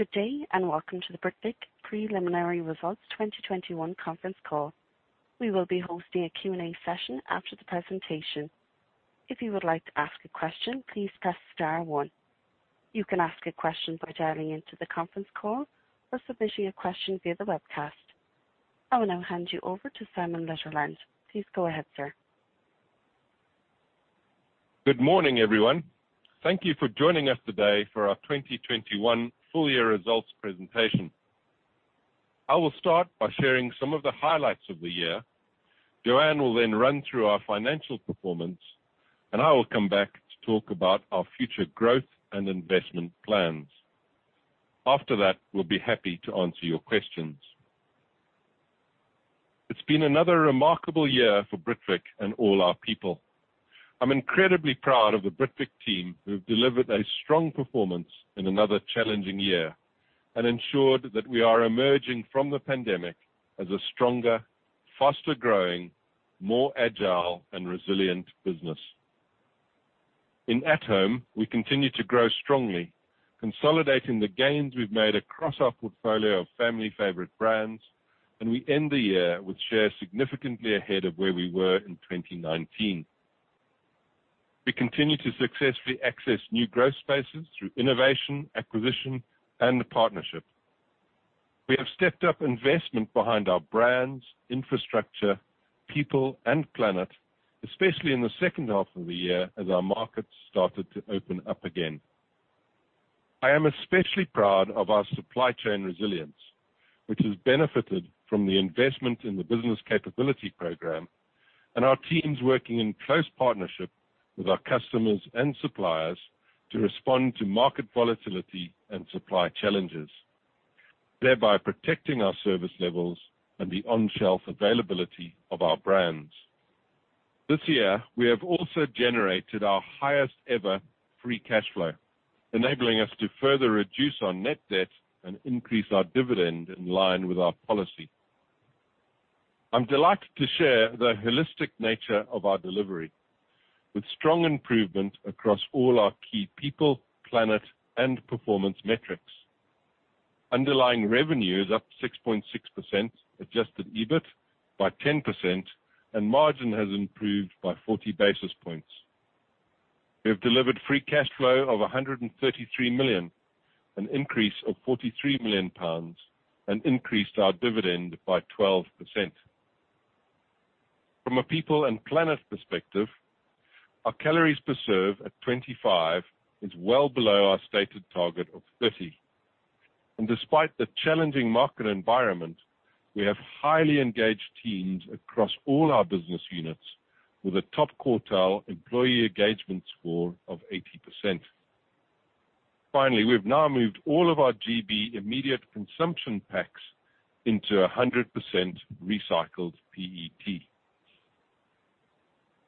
Good day, and welcome to the Britvic Preliminary Results 2021 conference call. We will be hosting a Q&A session after the presentation. If you would like to ask a question, please press star one. You can ask a question by dialing into the conference call or submit your question via the webcast. I will now hand you over to Simon Litherland. Please go ahead, sir. Good morning, everyone. Thank you for joining us today for our 2021 full year results presentation. I will start by sharing some of the highlights of the year. Joanne will then run through our financial performance, and I will come back to talk about our future growth and investment plans. After that, we'll be happy to answer your questions. It's been another remarkable year for Britvic and all our people. I'm incredibly proud of the Britvic team, who have delivered a strong performance in another challenging year and ensured that we are emerging from the pandemic as a stronger, faster growing, more agile and resilient business. In At-Home, we continue to grow strongly, consolidating the gains we've made across our portfolio of family favorite brands, and we end the year with shares significantly ahead of where we were in 2019. We continue to successfully access new growth spaces through innovation, acquisition and partnership. We have stepped up investment behind our brands, infrastructure, people and planet, especially in the H2 of the year as our markets started to open up again. I am especially proud of our supply chain resilience, which has benefited from the investment in the business capability program and our teams working in close partnership with our customers and suppliers to respond to market volatility and supply challenges, thereby protecting our service levels and the on-shelf availability of our brands. This year, we have also generated our highest ever free cash flow, enabling us to further reduce our net debt and increase our dividend in line with our policy. I'm delighted to share the holistic nature of our delivery with strong improvement across all our key people, planet and performance metrics. Underlying revenue is up 6.6%, adjusted EBIT by 10%, and margin has improved by 40 basis points. We have delivered free cash flow of 133 million, an increase of 43 million pounds, and increased our dividend by 12%. From a people and planet perspective, our calories per serve at 25 is well below our stated target of 30. Despite the challenging market environment, we have highly engaged teams across all our business units with a top quartile employee engagement score of 80%. Finally, we've now moved all of our GB immediate consumption packs into 100% recycled PET.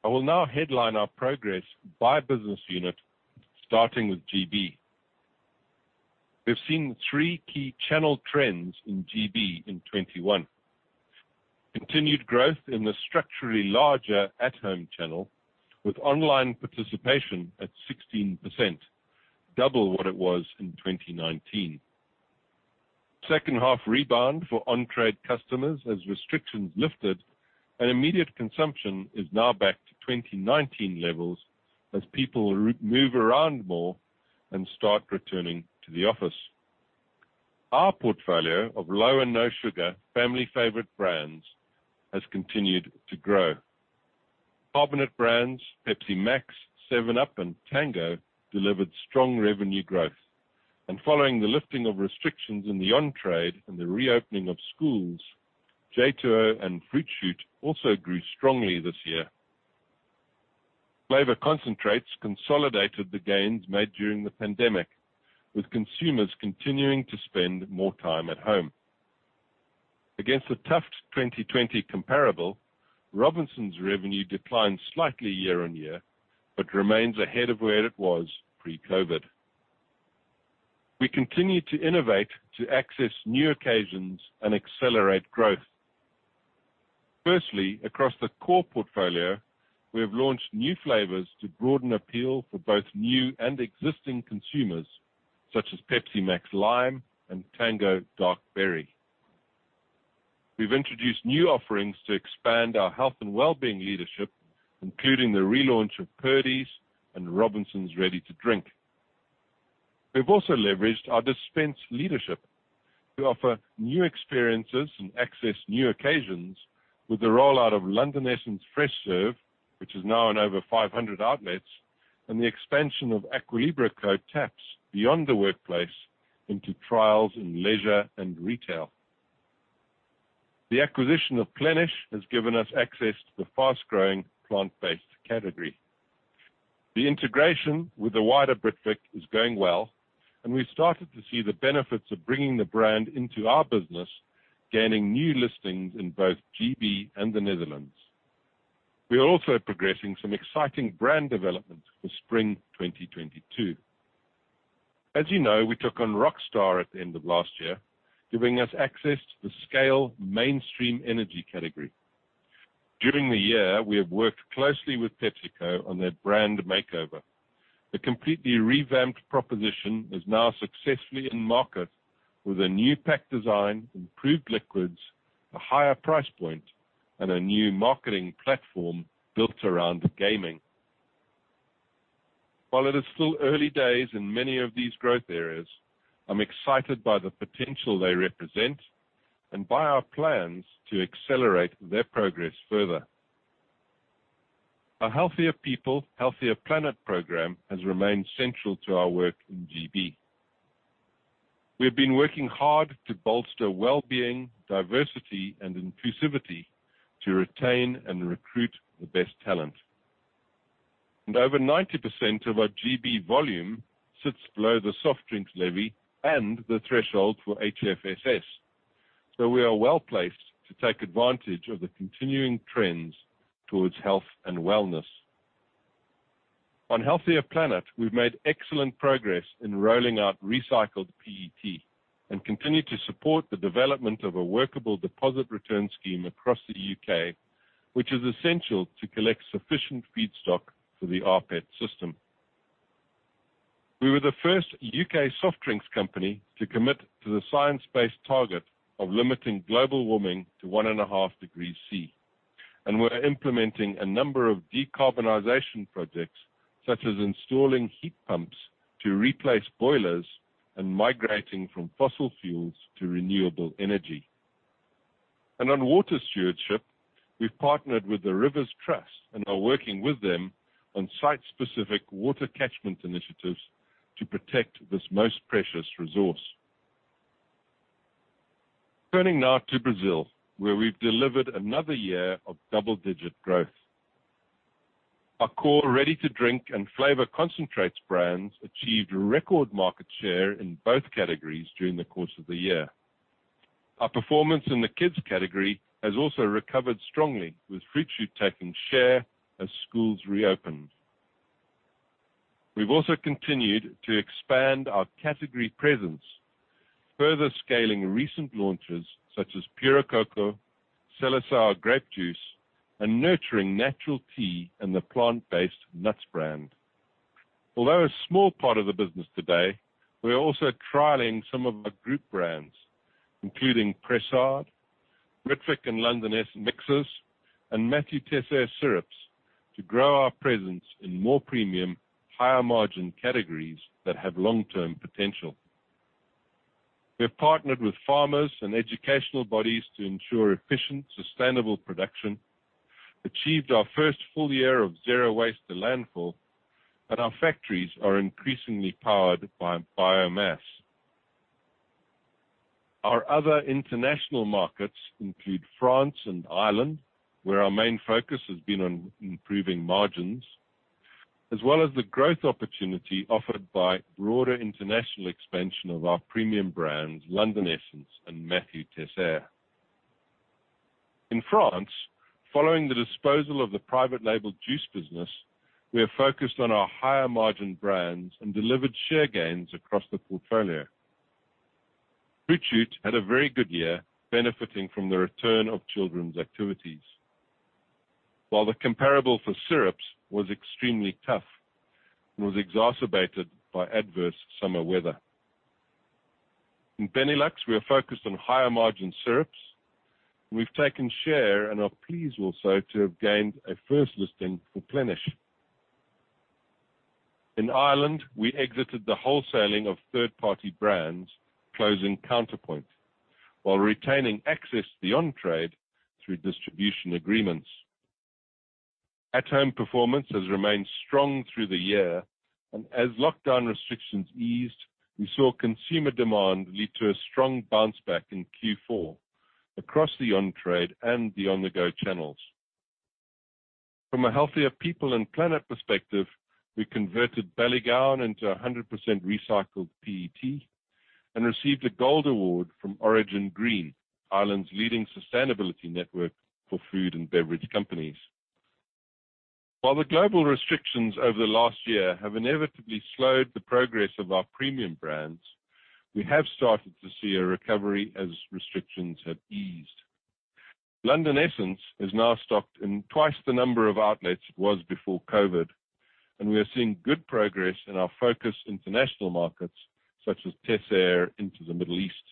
I will now headline our progress by business unit, starting with GB. We've seen three key channel trends in GB in 2021. Continued growth in the structurally larger at-home channel with online participation at 16%, double what it was in 2019. H2 rebound for on-trade customers as restrictions lifted and immediate consumption is now back to 2019 levels as people move around more and start returning to the office. Our portfolio of low and no sugar family favorite brands has continued to grow. Carbonated brands Pepsi Max, 7UP and Tango delivered strong revenue growth. Following the lifting of restrictions in the on-trade and the reopening of schools, J2O and Fruit Shoot also grew strongly this year. Flavor concentrates consolidated the gains made during the pandemic, with consumers continuing to spend more time at-home. Against a tough 2020 comparable, Robinsons revenue declined slightly year-on-year, but remains ahead of where it was pre-COVID. We continue to innovate to access new occasions and accelerate growth. Firstly, across the core portfolio, we have launched new flavors to broaden appeal for both new and existing consumers such as Pepsi MAX Lime and Tango Dark Berry. We've introduced new offerings to expand our health and well-being leadership, including the relaunch of Purdey's and Robinsons Ready to Drink. We've also leveraged our dispense leadership to offer new experiences and access new occasions with the rollout of London Essence Fresh Serve, which is now in over 500 outlets, and the expansion of Aqua Libra Cold Taps beyond the workplace into trials in leisure and retail. The acquisition of Plenish has given us access to the fast-growing plant-based category. The integration with the wider Britvic is going well, and we've started to see the benefits of bringing the brand into our business, gaining new listings in both GB and the Netherlands. We are also progressing some exciting brand developments for spring 2022. As you know, we took on Rockstar at the end of last year, giving us access to the scale mainstream energy category. During the year, we have worked closely with PepsiCo on their brand makeover. The completely revamped proposition is now successfully in market with a new pack design, improved liquids, a higher price point, and a new marketing platform built around gaming. While it is still early days in many of these growth areas, I'm excited by the potential they represent and by our plans to accelerate their progress further. Our Healthier People, Healthier Planet program has remained central to our work in GB. We've been working hard to bolster well-being, diversity, and inclusivity to retain and recruit the best talent. Over 90% of our GB volume sits below the soft drinks levy and the threshold for HFSS. We are well-placed to take advantage of the continuing trends towards health and wellness. On Healthier Planet, we've made excellent progress in rolling out recycled PET and continue to support the development of a workable deposit return scheme across the U.K., which is essential to collect sufficient feedstock for the rPET system. We were the first U.K. soft drinks company to commit to the science-based target of limiting global warming to 1.5 degrees Celsius. We're implementing a number of decarbonization projects, such as installing heat pumps to replace boilers and migrating from fossil fuels to renewable energy. On water stewardship, we've partnered with the Rivers Trust and are working with them on site-specific water catchment initiatives to protect this most precious resource. Turning now to Brazil, where we've delivered another year of double-digit growth. Our core ready-to-drink and flavor concentrates brands achieved record market share in both categories during the course of the year. Our performance in the kids category has also recovered strongly, with Fruit Shoot taking share as schools reopened. We've also continued to expand our category presence, further scaling recent launches such as Puro Coco, Seleção Grape Juice, and Natural Tea and the plant-based nuts brand. Although a small part of the business today, we're also trialing some of our group brands, including Pressade, Britvic, and London Essence Mixers, and Mathieu Teisseire Syrups, to grow our presence in more premium, higher margin categories that have long-term potential. We have partnered with farmers and educational bodies to ensure efficient, sustainable production, achieved our first full year of zero waste to landfill, and our factories are increasingly powered by biomass. Our other international markets include France and Ireland, where our main focus has been on improving margins, as well as the growth opportunity offered by broader international expansion of our premium brands, London Essence and Mathieu Teisseire. In France, following the disposal of the private label juice business, we are focused on our higher margin brands and delivered share gains across the portfolio. Fruit Shoot had a very good year benefiting from the return of children's activities. While the comparable for syrups was extremely tough and was exacerbated by adverse summer weather. In Benelux, we are focused on higher margin syrups. We've taken share and are pleased also to have gained a first listing for Plenish. In Ireland, we exited the wholesaling of third-party brands, closing Counterpoint, while retaining access to the on-trade through distribution agreements. At-home performance has remained strong through the year, and as lockdown restrictions eased, we saw consumer demand lead to a strong bounce back in Q4 across the on-trade and the on-the-go channels. From a Healthier People, Healthier Planet perspective, we converted Ballygowan into a 100% recycled PET and received a Gold Award from Origin Green, Ireland's leading sustainability network for food and beverage companies. While the global restrictions over the last year have inevitably slowed the progress of our premium brands, we have started to see a recovery as restrictions have eased. London Essence is now stocked in twice the number of outlets it was before COVID, and we are seeing good progress in our focus international markets such as Teisseire into the Middle East.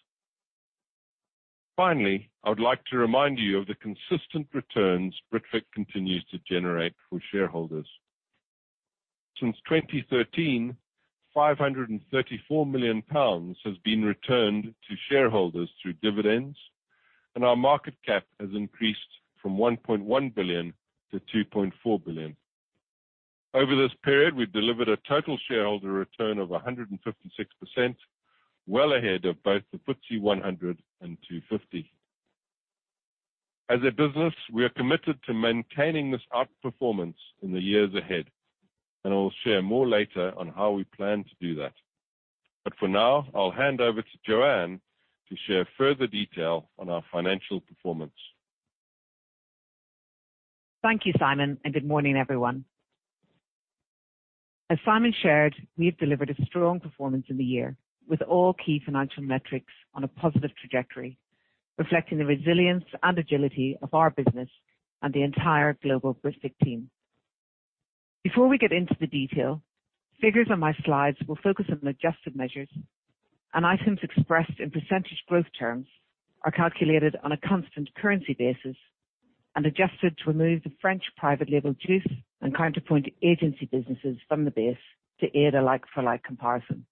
Finally, I would like to remind you of the consistent returns Britvic continues to generate for shareholders. Since 2013, 534 million pounds has been returned to shareholders through dividends, and our market cap has increased from 1.1 billion-2.4 billion. Over this period, we've delivered a total shareholder return of 156%, well ahead of both the FTSE 100 and FTSE 250. As a business, we are committed to maintaining this outperformance in the years ahead, and I will share more later on how we plan to do that. For now, I'll hand over to Joanne to share further detail on our financial performance. Thank you, Simon, and good morning, everyone. As Simon shared, we have delivered a strong performance in the year with all key financial metrics on a positive trajectory, reflecting the resilience and agility of our business and the entire global Britvic team. Before we get into the detail, figures on my slides will focus on adjusted measures and items expressed in percentage growth terms are calculated on a constant currency basis and adjusted to remove the French private label juice and Counterpoint businesses from the base to aid a like-for-like comparison.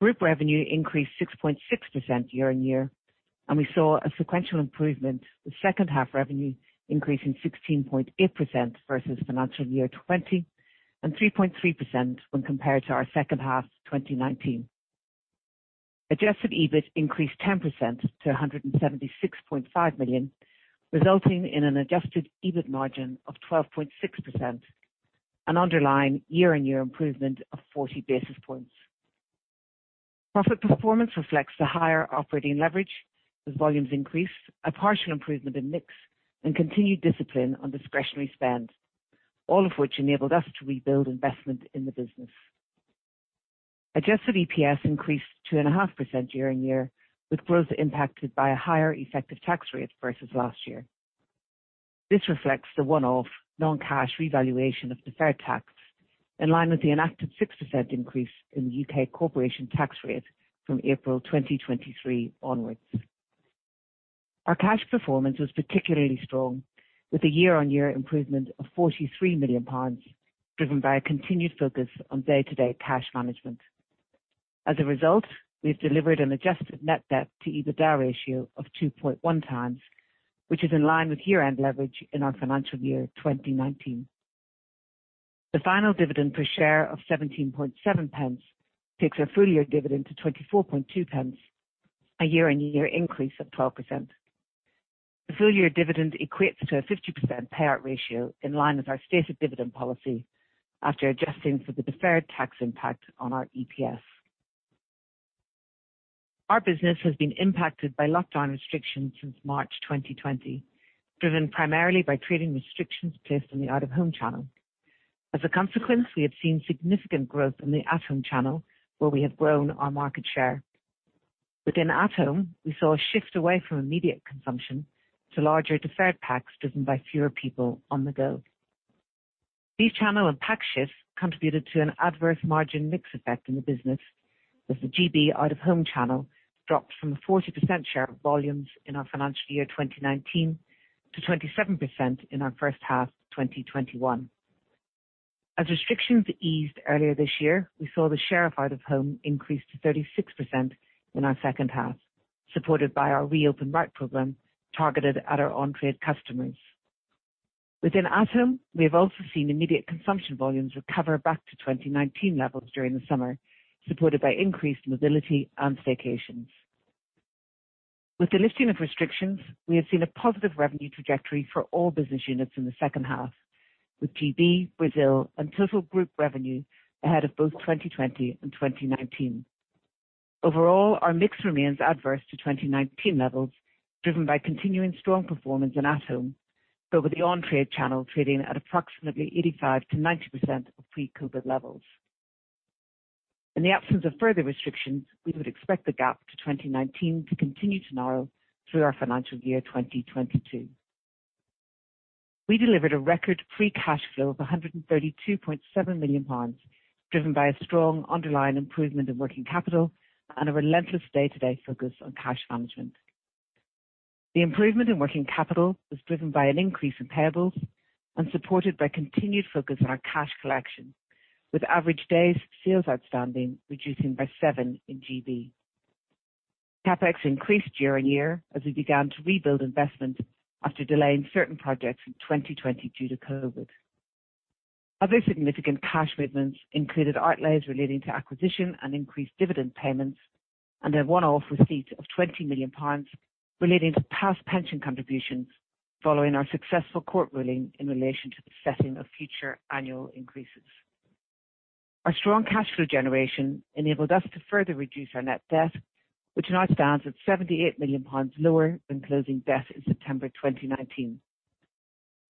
Group revenue increased 6.6% year-on-year, and we saw a sequential improvement with H2 revenue increasing 16.8% versus financial year 2020, and 3.3% when compared to our H2 2019. Adjusted EBIT increased 10% to 176.5 million, resulting in an adjusted EBIT margin of 12.6%, an underlying year-on-year improvement of 40 basis points. Profit performance reflects the higher operating leverage as volumes increase, a partial improvement in mix and continued discipline on discretionary spend, all of which enabled us to rebuild investment in the business. Adjusted EPS increased 2.5% year-on-year, with growth impacted by a higher effective tax rate versus last year. This reflects the one-off non-cash revaluation of deferred tax, in line with the enacted 6% increase in the UK corporation tax rate from April 2023 onwards. Our cash performance was particularly strong, with a year-on-year improvement of 43 million pounds, driven by a continued focus on day-to-day cash management. As a result, we have delivered an adjusted net debt to EBITDA ratio of 2.1x, which is in line with year-end leverage in our financial year 2019. The final dividend per share of 0.177 takes our full year dividend to 0.242, a year-on-year increase of 12%. The full year dividend equates to a 50% payout ratio in line with our stated dividend policy after adjusting for the deferred tax impact on our EPS. Our business has been impacted by lockdown restrictions since March 2020, driven primarily by trading restrictions placed on the out-of-home channel. As a consequence, we have seen significant growth in the at-home channel, where we have grown our market share. Within at-home, we saw a shift away from immediate consumption to larger deferred packs driven by fewer people on the go. These channel and pack shifts contributed to an adverse margin mix effect in the business, with the GB out-of-home channel dropped from a 40% share of volumes in our financial year 2019 to 27% in our H1 2021. As restrictions eased earlier this year, we saw the share of out-of-home increase to 36% in our H2, supported by our Reopen Right program targeted at our on-trade customers. Within at-home, we have also seen immediate consumption volumes recover back to 2019 levels during the summer, supported by increased mobility and staycations. With the lifting of restrictions, we have seen a positive revenue trajectory for all business units in the H2, with GB, Brazil and total group revenue ahead of both 2020 and 2019. Overall, our mix remains adverse to 2019 levels, driven by continuing strong performance in at-home, with the on-trade channel trading at approximately 85%-90% of pre-COVID levels. In the absence of further restrictions, we would expect the gap to 2019 to continue to narrow through our financial year 2022. We delivered a record free cash flow of 132.7 million pounds, driven by a strong underlying improvement in working capital and a relentless day-to-day focus on cash management. The improvement in working capital was driven by an increase in payables and supported by continued focus on our cash collection, with average days sales outstanding reducing by seven in GB. CapEx increased year-on-year as we began to rebuild investment after delaying certain projects in 2020 due to COVID. Other significant cash movements included outlays relating to acquisition and increased dividend payments and a one-off receipt of 20 million pounds relating to past pension contributions following our successful court ruling in relation to the setting of future annual increases. Our strong cash flow generation enabled us to further reduce our net debt, which now stands at 78 million pounds lower than closing debt in September 2019.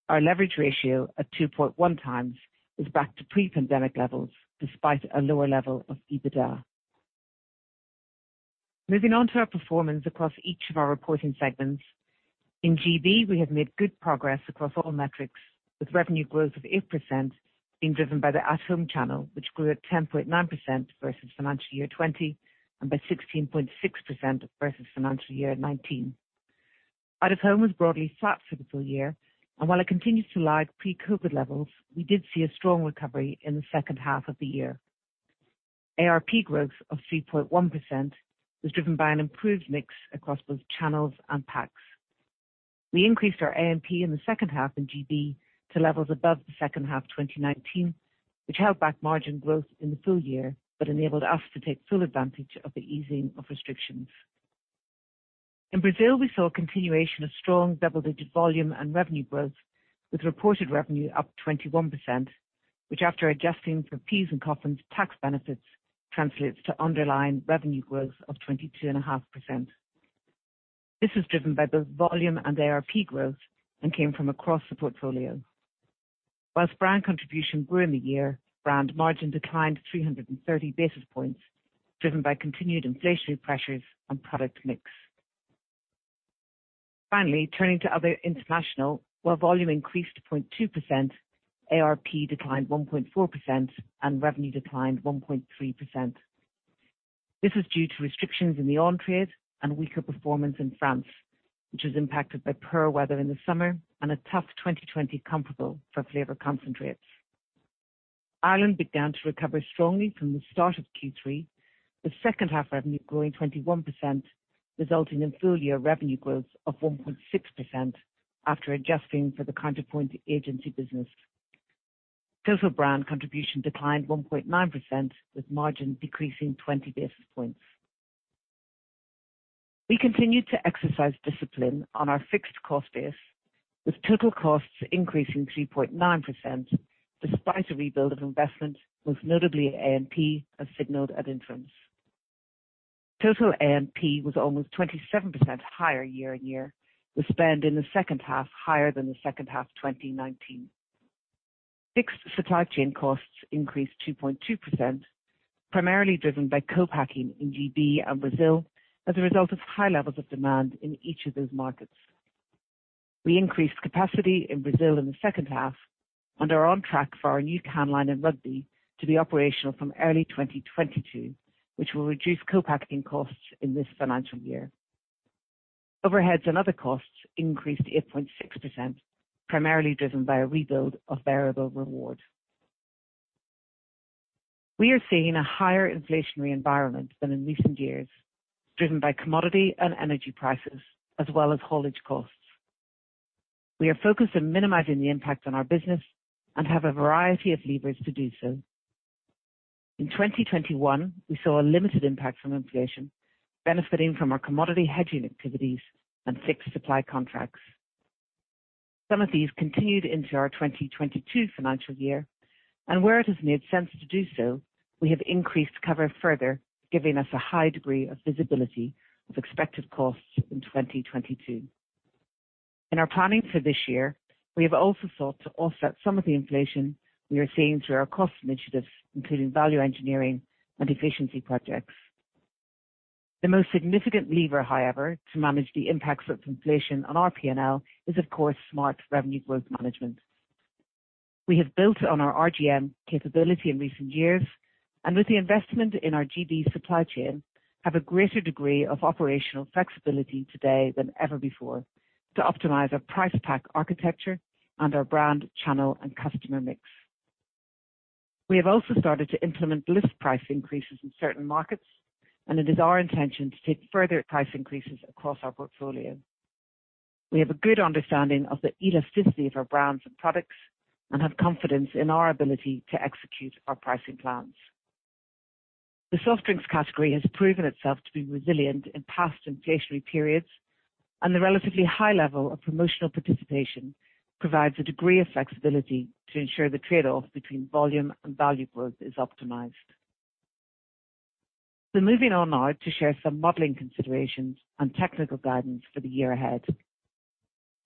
Our leverage ratio of 2.1x is back to pre-pandemic levels despite a lower level of EBITDA. Moving on to our performance across each of our reporting segments. In GB, we have made good progress across all metrics, with revenue growth of 8% being driven by the at-home channel, which grew at 10.9% versus financial year 2020 and by 16.6% versus financial year 2019. Out-of-home was broadly flat for the full year, and while it continues to lag pre-COVID levels, we did see a strong recovery in the H2 of the year. ARP growth of 3.1% was driven by an improved mix across both channels and packs. We increased our AMP in the H2 in GB to levels above the H2 2019, which held back margin growth in the full year but enabled us to take full advantage of the easing of restrictions. In Brazil, we saw a continuation of strong double-digit volume and revenue growth, with reported revenue up 21%, which, after adjusting for PIS and COFINS tax benefits, translates to underlying revenue growth of 22.5%. This is driven by both volume and ARP growth and came from across the portfolio. While brand contribution grew in the year, brand margin declined 330 basis points, driven by continued inflationary pressures and product mix. Finally, turning to Other International, where volume increased 0.2%, ARP declined 1.4% and revenue declined 1.3%. This is due to restrictions in the on-trade and weaker performance in France, which was impacted by poor weather in the summer and a tough 2020 comparable for flavor concentrates. Ireland began to recover strongly from the start of Q3, with H2 revenue growing 21%, resulting in full year revenue growth of 1.6% after adjusting for the Counterpoint agency business. Total brand contribution declined 1.9%, with margin decreasing 20 basis points. We continued to exercise discipline on our fixed cost base, with total costs increasing 3.9% despite a rebuild of investment, most notably AMP, as signaled at interim. Total AMP was almost 27% higher year-on-year, with spend in the H2 higher than the H2 of 2019. Fixed supply chain costs increased 2.2%, primarily driven by co-packing in GB and Brazil as a result of high levels of demand in each of those markets. We increased capacity in Brazil in the H2 and are on track for our new can line in Rugby to be operational from early 2022, which will reduce co-packing costs in this financial year. Overheads and other costs increased to 8.6%, primarily driven by a rebuild of variable reward. We are seeing a higher inflationary environment than in recent years, driven by commodity and energy prices as well as haulage costs. We are focused on minimizing the impact on our business and have a variety of levers to do so. In 2021, we saw a limited impact from inflation, benefiting from our commodity hedging activities and fixed supply contracts. Some of these continued into our 2022 financial year and where it has made sense to do so, we have increased cover further, giving us a high degree of visibility of expected costs in 2022. In our planning for this year, we have also sought to offset some of the inflation we are seeing through our cost initiatives, including value engineering and efficiency projects. The most significant lever, however, to manage the impacts of inflation on our P&L is, of course, smart revenue growth management. We have built on our RGM capability in recent years and with the investment in our GB supply chain, have a greater degree of operational flexibility today than ever before to optimize our price pack architecture and our brand, channel, and customer mix. We have also started to implement list price increases in certain markets, and it is our intention to take further price increases across our portfolio. We have a good understanding of the elasticity of our brands and products and have confidence in our ability to execute our pricing plans. The soft drinks category has proven itself to be resilient in past inflationary periods, and the relatively high level of promotional participation provides a degree of flexibility to ensure the trade-off between volume and value growth is optimized. Moving on now to share some modeling considerations and technical guidance for the year ahead.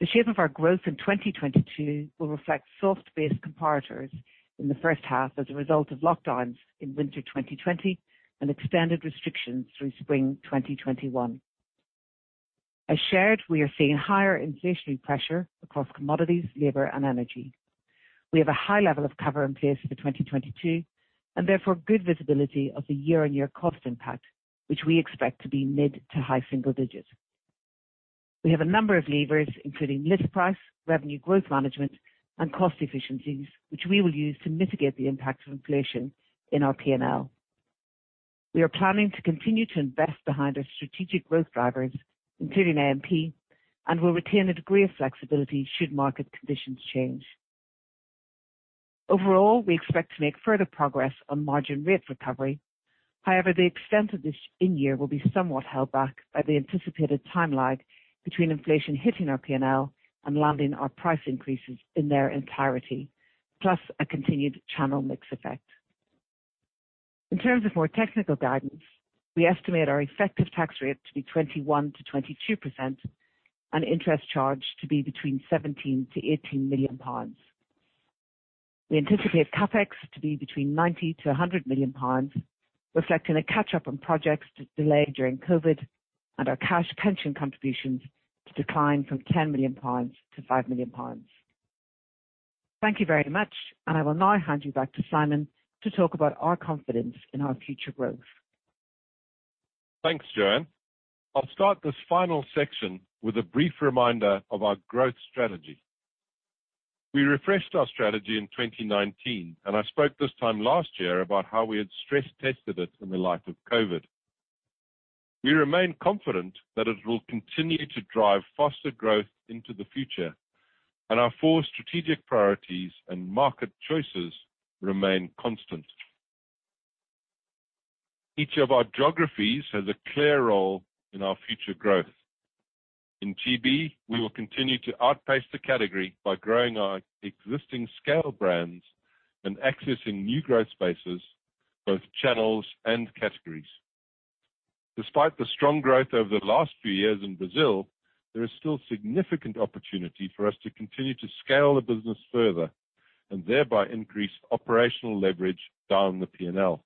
The shape of our growth in 2022 will reflect soft-based comparators in the H1 as a result of lockdowns in winter 2020 and extended restrictions through spring 2021. As shared, we are seeing higher inflationary pressure across commodities, labor, and energy. We have a high level of cover in place for 2022 and therefore good visibility of the year-on-year cost impact, which we expect to be mid-to-high single digits. We have a number of levers, including list price, revenue growth management, and cost efficiencies, which we will use to mitigate the impact of inflation in our P&L. We are planning to continue to invest behind our strategic growth drivers, including AMP, and will retain a degree of flexibility should market conditions change. Overall, we expect to make further progress on margin rate recovery. However, the extent of this in year will be somewhat held back by the anticipated time lag between inflation hitting our P&L and landing our price increases in their entirety, plus a continued channel mix effect. In terms of more technical guidance, we estimate our effective tax rate to be 21%-22% and interest charge to be between 17 million and 18 million pounds. We anticipate CapEx to be between 90 million and 100 million pounds, reflecting a catch-up on projects delayed during COVID and our cash pension contributions to decline from 10 million-5 million pounds. Thank you very much, and I will now hand you back to Simon to talk about our confidence in our future growth. Thanks, Joanne. I'll start this final section with a brief reminder of our growth strategy. We refreshed our strategy in 2019, and I spoke this time last year about how we had stress tested it in the light of COVID. We remain confident that it will continue to drive faster growth into the future and our four strategic priorities and market choices remain constant. Each of our geographies has a clear role in our future growth. In GB, we will continue to outpace the category by growing our existing scale brands and accessing new growth spaces both channels and categories. Despite the strong growth over the last few years in Brazil, there is still significant opportunity for us to continue to scale the business further and thereby increase operational leverage down the P&L.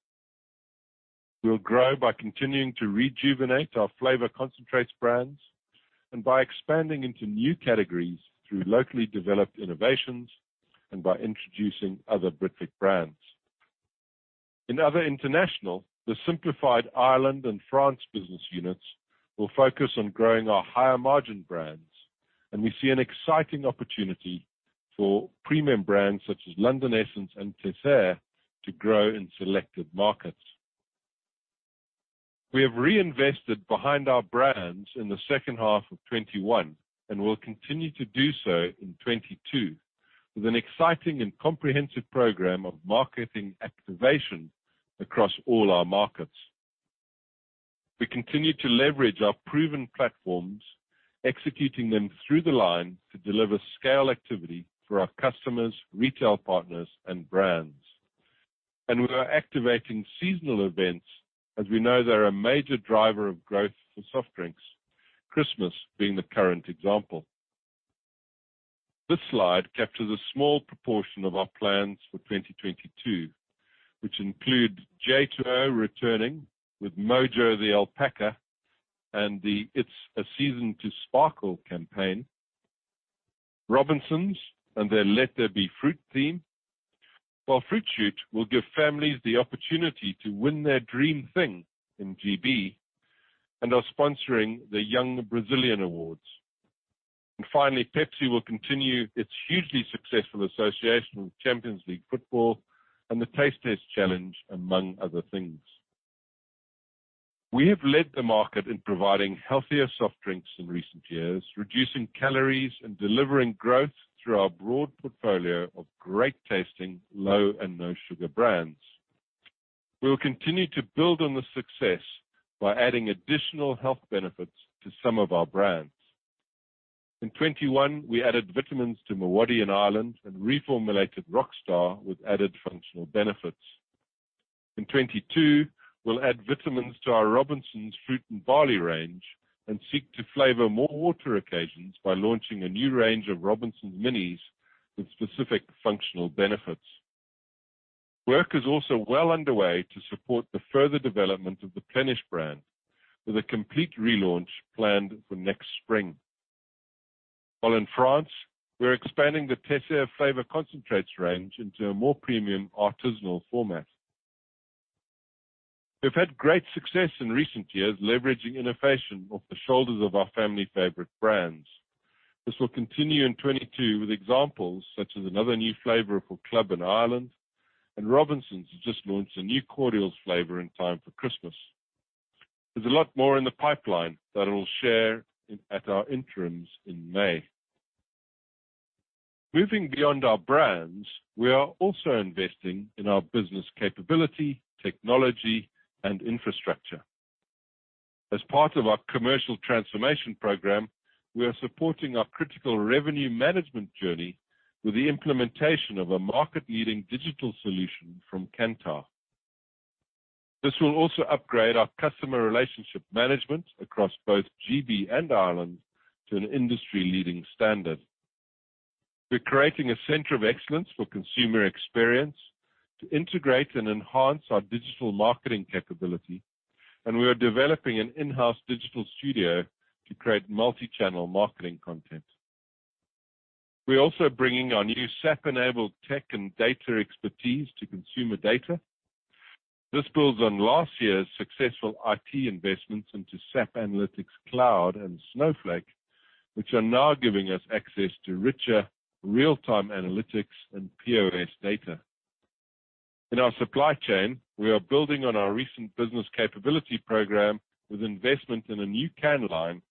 We'll grow by continuing to rejuvenate our flavor concentrates brands and by expanding into new categories through locally developed innovations and by introducing other Britvic brands. In other international, the simplified Ireland and France business units will focus on growing our higher margin brands, and we see an exciting opportunity for premium brands such as London Essence and Teisseire to grow in selected markets. We have reinvested behind our brands in the H2 of 2021, and we'll continue to do so in 2022 with an exciting and comprehensive program of marketing activation across all our markets. We continue to leverage our proven platforms, executing them through the line to deliver scale activity for our customers, retail partners, and brands. We are activating seasonal events as we know they're a major driver of growth for soft drinks. Christmas being the current example. This slide captures a small proportion of our plans for 2022, which include J2O returning with Mojo, the alpaca, and the It's a Season to Sparkle campaign. Robinsons and their Let There Be Fruit theme. Fruit Shoot will give families the opportunity to win their dream thing in GB and is sponsoring the Young Brazilians Awards. Finally, Pepsi will continue its hugely successful association with Champions League football and the Pepsi Challenge challenge, among other things. We have led the market in providing healthier soft drinks in recent years, reducing calories and delivering growth through our broad portfolio of great tasting low and no sugar brands. We will continue to build on this success by adding additional health benefits to some of our brands. In 2021, we added vitamins to MiWadi in Ireland and reformulated Rockstar with added functional benefits. In 2022, we'll add vitamins to our Robinsons Fruit & Barley range and seek to flavor more water occasions by launching a new range of Robinsons Minis with specific functional benefits. Work is also well underway to support the further development of the Plenish brand, with a complete relaunch planned for next spring. While in France, we're expanding the Teisseire flavor concentrates range into a more premium artisanal format. We've had great success in recent years leveraging innovation off the shoulders of our family favorite brands. This will continue in 2022 with examples such as another new flavor for Club in Ireland, and Robinsons has just launched a new cordials flavor in time for Christmas. There's a lot more in the pipeline that I'll share at our interims in May. Moving beyond our brands, we are also investing in our business capability, technology, and infrastructure. As part of our commercial transformation program, we are supporting our critical revenue management journey with the implementation of a market-leading digital solution from Kantar. This will also upgrade our customer relationship management across both GB and Ireland to an industry-leading standard. We're creating a center of excellence for consumer experience to integrate and enhance our digital marketing capability, and we are developing an in-house digital studio to create multi-channel marketing content. We're also bringing our new SAP-enabled tech and data expertise to consumer data. This builds on last year's successful IT investments into SAP Analytics Cloud and Snowflake, which are now giving us access to richer real-time analytics and POS data. In our supply chain, we are building on our recent business capability program with investment in a new can line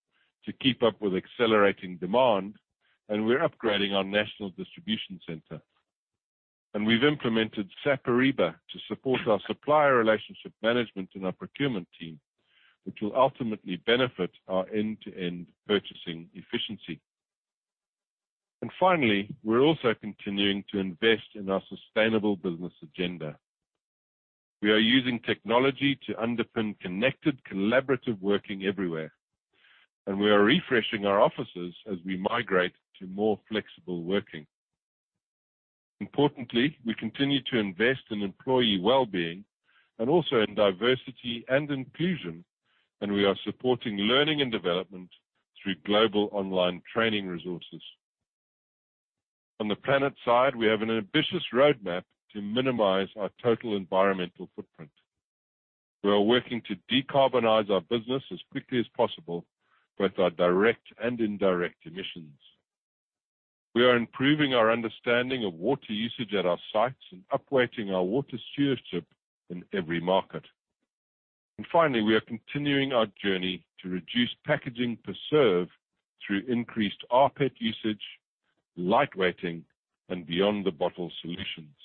to keep up with accelerating demand, and we're upgrading our national distribution center. We've implemented SAP Ariba to support our supplier relationship management and our procurement team, which will ultimately benefit our end-to-end purchasing efficiency. Finally, we're also continuing to invest in our sustainable business agenda. We are using technology to underpin connected, collaborative working everywhere, and we are refreshing our offices as we migrate to more flexible working. Importantly, we continue to invest in employee well-being and also in diversity and inclusion, and we are supporting learning and development through global online training resources. On the planet side, we have an ambitious roadmap to minimize our total environmental footprint. We are working to decarbonize our business as quickly as possible, both our direct and indirect emissions. We are improving our understanding of water usage at our sites and upweighting our water stewardship in every market. Finally, we are continuing our journey to reduce packaging per serve through increased rPET usage, lightweighting, and Beyond the Bottle solutions.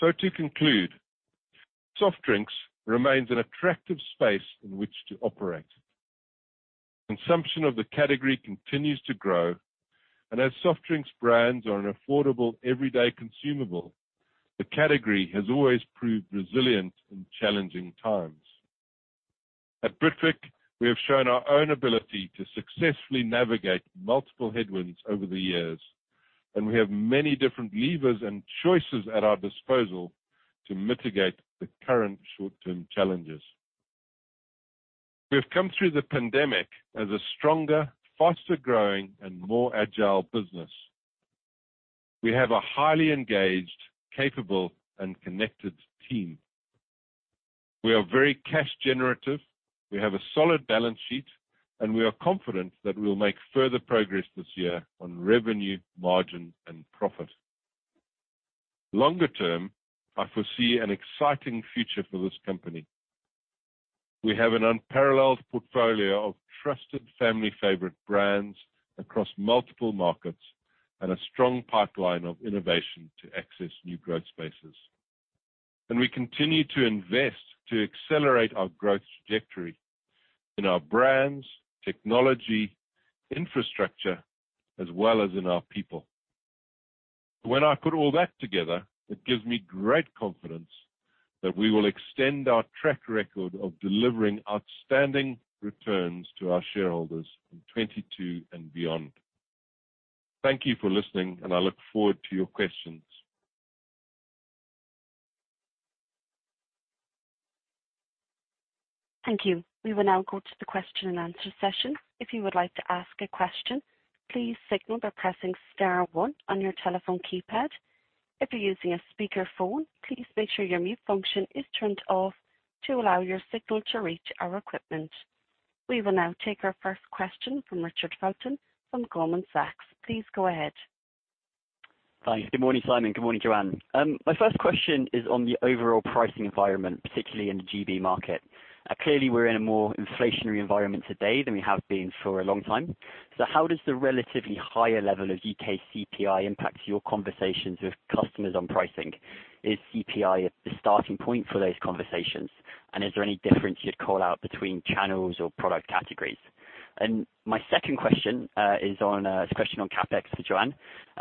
To conclude, soft drinks remains an attractive space in which to operate. Consumption of the category continues to grow, and as soft drinks brands are an affordable everyday consumable, the category has always proved resilient in challenging times. At Britvic, we have shown our own ability to successfully navigate multiple headwinds over the years, and we have many different levers and choices at our disposal to mitigate the current short-term challenges. We've come through the pandemic as a stronger, faster-growing, and more agile business. We have a highly engaged, capable, and connected team. We are very cash generative. We have a solid balance sheet, and we are confident that we'll make further progress this year on revenue, margin, and profit. Longer term, I foresee an exciting future for this company. We have an unparalleled portfolio of trusted family favorite brands across multiple markets and a strong pipeline of innovation to access new growth spaces. We continue to invest to accelerate our growth trajectory in our brands, technology, infrastructure, as well as in our people. When I put all that together, it gives me great confidence that we will extend our track record of delivering outstanding returns to our shareholders in 2022 and beyond. Thank you for listening, and I look forward to your questions. Thank you. We will now go to the question and answer session. If you would like to ask a question, please signal by pressing star one on your telephone keypad. If you're using a speakerphone, please make sure your mute function is turned off to allow your signal to reach our equipment. We will now take our first question from Richard Felton from Goldman Sachs. Please go ahead. Thanks. Good morning, Simon. Good morning, Joanne. My first question is on the overall pricing environment, particularly in the GB market. Clearly, we're in a more inflationary environment today than we have been for a long time. How does the relatively higher level of UK CPI impact your conversations with customers on pricing? Is CPI a starting point for those conversations? Is there any difference you'd call out between channels or product categories? My second question is a question on CapEx to Joanne.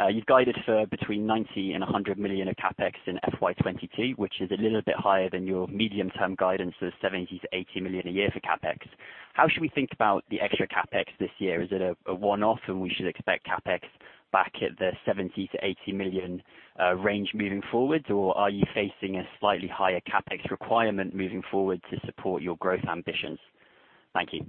You've guided for between 90 million and 100 million of CapEx in FY 2022, which is a little bit higher than your medium-term guidance of 70 million-80 million a year for CapEx. How should we think about the extra CapEx this year? Is it a one-off, and we should expect CapEx back at the 70 million-80 million range moving forward? Or are you facing a slightly higher CapEx requirement moving forward to support your growth ambitions? Thank you.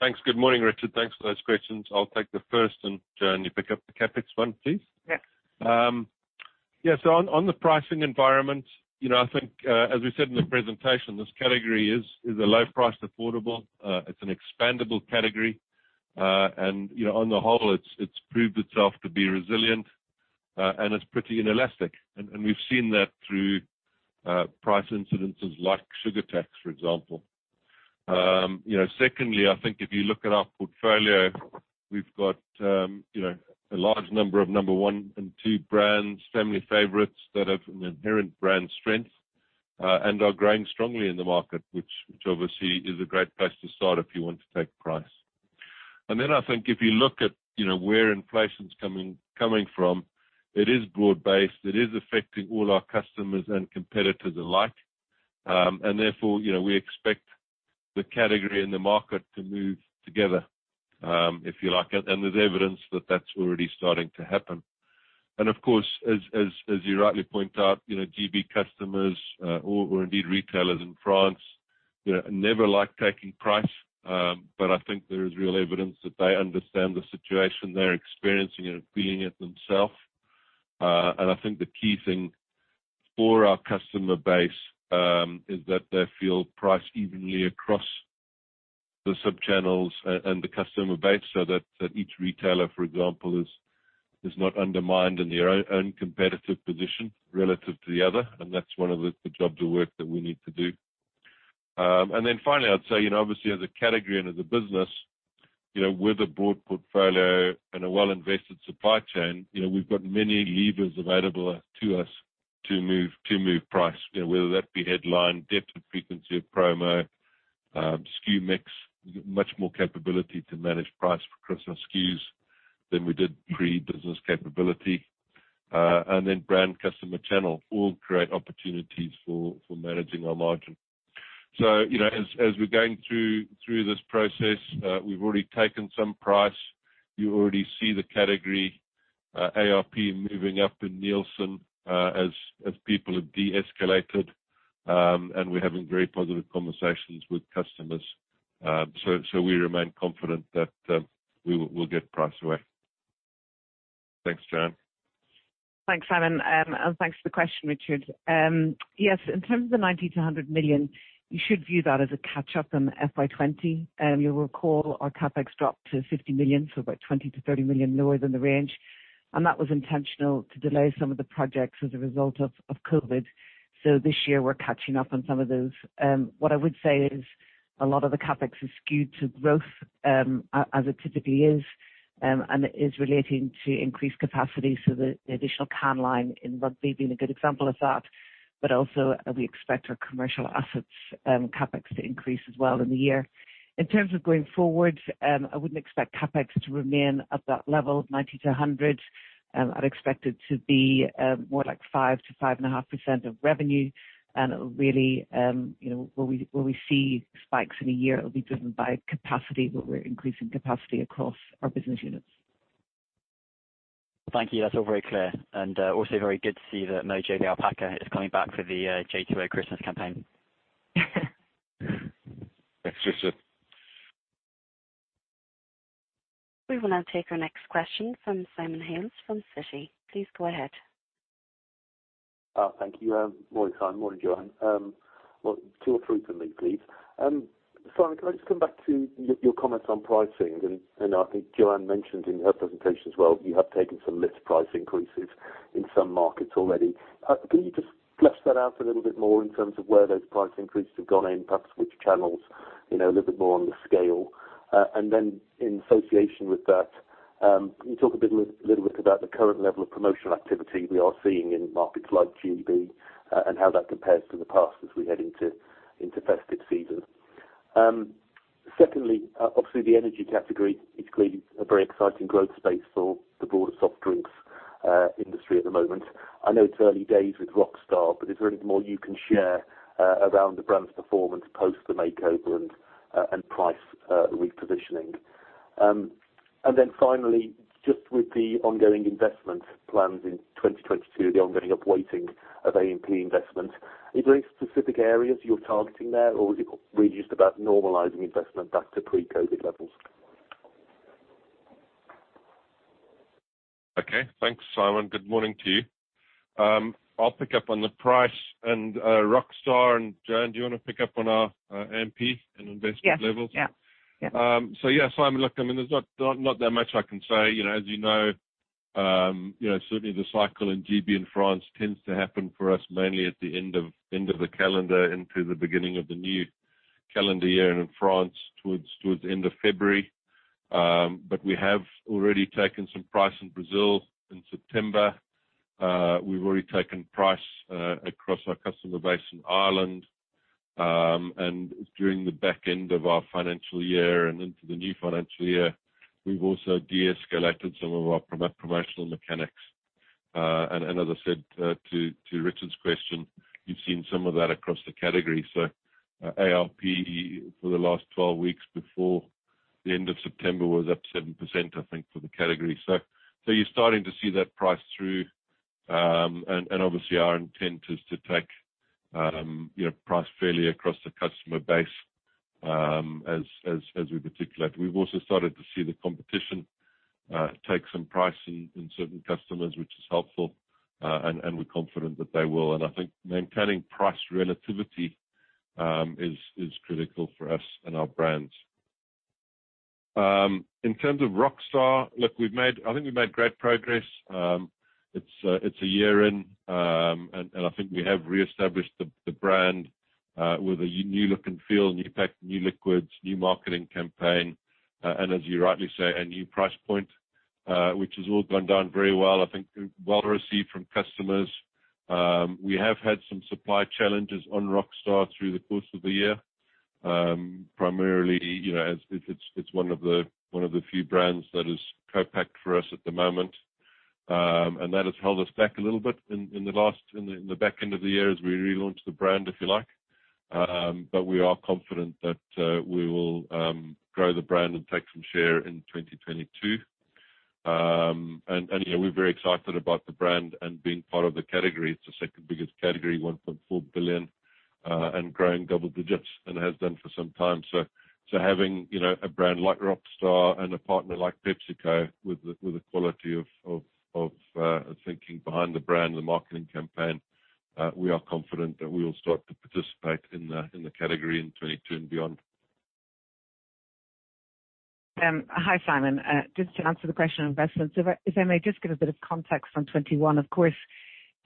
Thanks. Good morning, Richard. Thanks for those questions. I'll take the first, and Joanne, you pick up the CapEx one, please. Yes. On the pricing environment, you know, I think, as we said in the presentation, this category is a low price, affordable. It's an expandable category. You know, on the whole, it's proved itself to be resilient, and it's pretty inelastic. We've seen that through price incidences like sugar tax, for example. You know, secondly, I think if you look at our portfolio, we've got, you know, a large number of number one and two brands, family favorites that have an inherent brand strength, and are growing strongly in the market, which obviously is a great place to start if you want to take price. Then I think if you look at, you know, where inflation's coming from, it is broad-based. It is affecting all our customers and competitors alike. Therefore, you know, we expect the category and the market to move together, if you like. There's evidence that that's already starting to happen. Of course, as you rightly point out, you know, GB customers, or indeed retailers in France, you know, never like taking price. I think there is real evidence that they understand the situation they're experiencing and feeling it themselves. I think the key thing for our customer base is that they feel priced evenly across the sub-channels and the customer base so that each retailer, for example, is not undermined in their own competitive position relative to the other. That's one of the jobs of work that we need to do. Finally, I'd say, you know, obviously as a category and as a business, you know, with a broad portfolio and a well-invested supply chain, you know, we've got many levers available to us to move price. You know, whether that be headline, depth and frequency of promo, SKU mix. Much more capability to manage price across our SKUs than we did pre-business capability. Brand customer channel, all great opportunities for managing our margin. You know, as we're going through this process, we've already taken some price. You already see the category ARP moving up in Nielsen, as people have de-escalated, and we're having very positive conversations with customers. We remain confident that we'll get price away. Thanks, Joanne. Thanks, Simon. Thanks for the question, Richard. Yes, in terms of the 90 million-100 million, you should view that as a catch-up on FY 2020. You'll recall our CapEx dropped to 50 million, so about 20 million-30 million lower than the range. That was intentional to delay some of the projects as a result of COVID. This year we're catching up on some of those. What I would say is a lot of the CapEx is skewed to growth, as it typically is, and it is relating to increased capacity. The additional can line in Rugby being a good example of that. Also we expect our commercial assets CapEx to increase as well in the year. In terms of going forward, I wouldn't expect CapEx to remain at that level, 90 million-100 million. I'd expect it to be more like 5%-5.5% of revenue, and it will really, you know, where we see spikes in a year, it will be driven by capacity, where we're increasing capacity across our business units. Thank you. That's all very clear. Also very good to see that Mojo the Alpaca is coming back for the J2O Christmas campaign. Thanks, Richard. We will now take our next question from Simon Hales from Citi. Please go ahead. Thank you. Morning, Simon. Morning, Joanne. Well, two or three from me, please. Simon, can I just come back to your comments on pricing? I think Joanne mentioned in her presentation as well, you have taken some list price increases in some markets already. Can you just flesh that out a little bit more in terms of where those price increases have gone and perhaps which channels, you know, a little bit more on the scale? In association with that, can you talk a little bit about the current level of promotional activity we are seeing in markets like GB, and how that compares to the past as we head into festive season. Second, obviously the energy category is clearly a very exciting growth space for the broader soft drinks industry at the moment. I know it's early days with Rockstar, but is there anything more you can share around the brand's performance post the makeover and price repositioning? And then finally, just with the ongoing investment plans in 2022, the ongoing upweighting of AMP investment, are there any specific areas you're targeting there, or is it really just about normalizing investment back to pre-COVID levels? Okay. Thanks, Simon. Good morning to you. I'll pick up on the price and Rockstar. Joanne, do you wanna pick up on our AMP and investment levels? Yes. Yeah. Yeah. Yeah, Simon, look, I mean, there's not that much I can say. You know, as you know, certainly the cycle in GB and France tends to happen for us mainly at the end of the calendar into the beginning of the new calendar year, and in France towards the end of February. But we have already taken some price in Brazil in September. We've already taken price across our customer base in Ireland. And during the back end of our financial year and into the new financial year, we've also de-escalated some of our promotional mechanics. And as I said to Richard's question, you've seen some of that across the category. ARP for the last 12 weeks before the end of September was up 7%, I think, for the category. You're starting to see that price through. And obviously our intent is to take, you know, price fairly across the customer base, as we particularly. We've also started to see the competition take some pricing in certain customers, which is helpful, and we're confident that they will. I think maintaining price relativity is critical for us and our brands. In terms of Rockstar, look, I think we've made great progress. It's a year in, and I think we have reestablished the brand with a new look and feel, new pack, new liquids, new marketing campaign, and as you rightly say, a new price point, which has all gone down very well. I think well received from customers. We have had some supply challenges on Rockstar through the course of the year, primarily, you know, as it's one of the few brands that is co-packed for us at the moment. That has held us back a little bit in the back end of the year as we relaunched the brand, if you like. But we are confident that we will grow the brand and take some share in 2022. You know, we're very excited about the brand and being part of the category. It's the second biggest category, 1.4 billion, and growing double digits and has done for some time. Having, you know, a brand like Rockstar and a partner like PepsiCo with the quality of thinking behind the brand, the marketing campaign, we are confident that we will start to participate in the category in 2022 and beyond. Hi, Simon. Just to answer the question on investments, if I may just give a bit of context on 2021. Of course,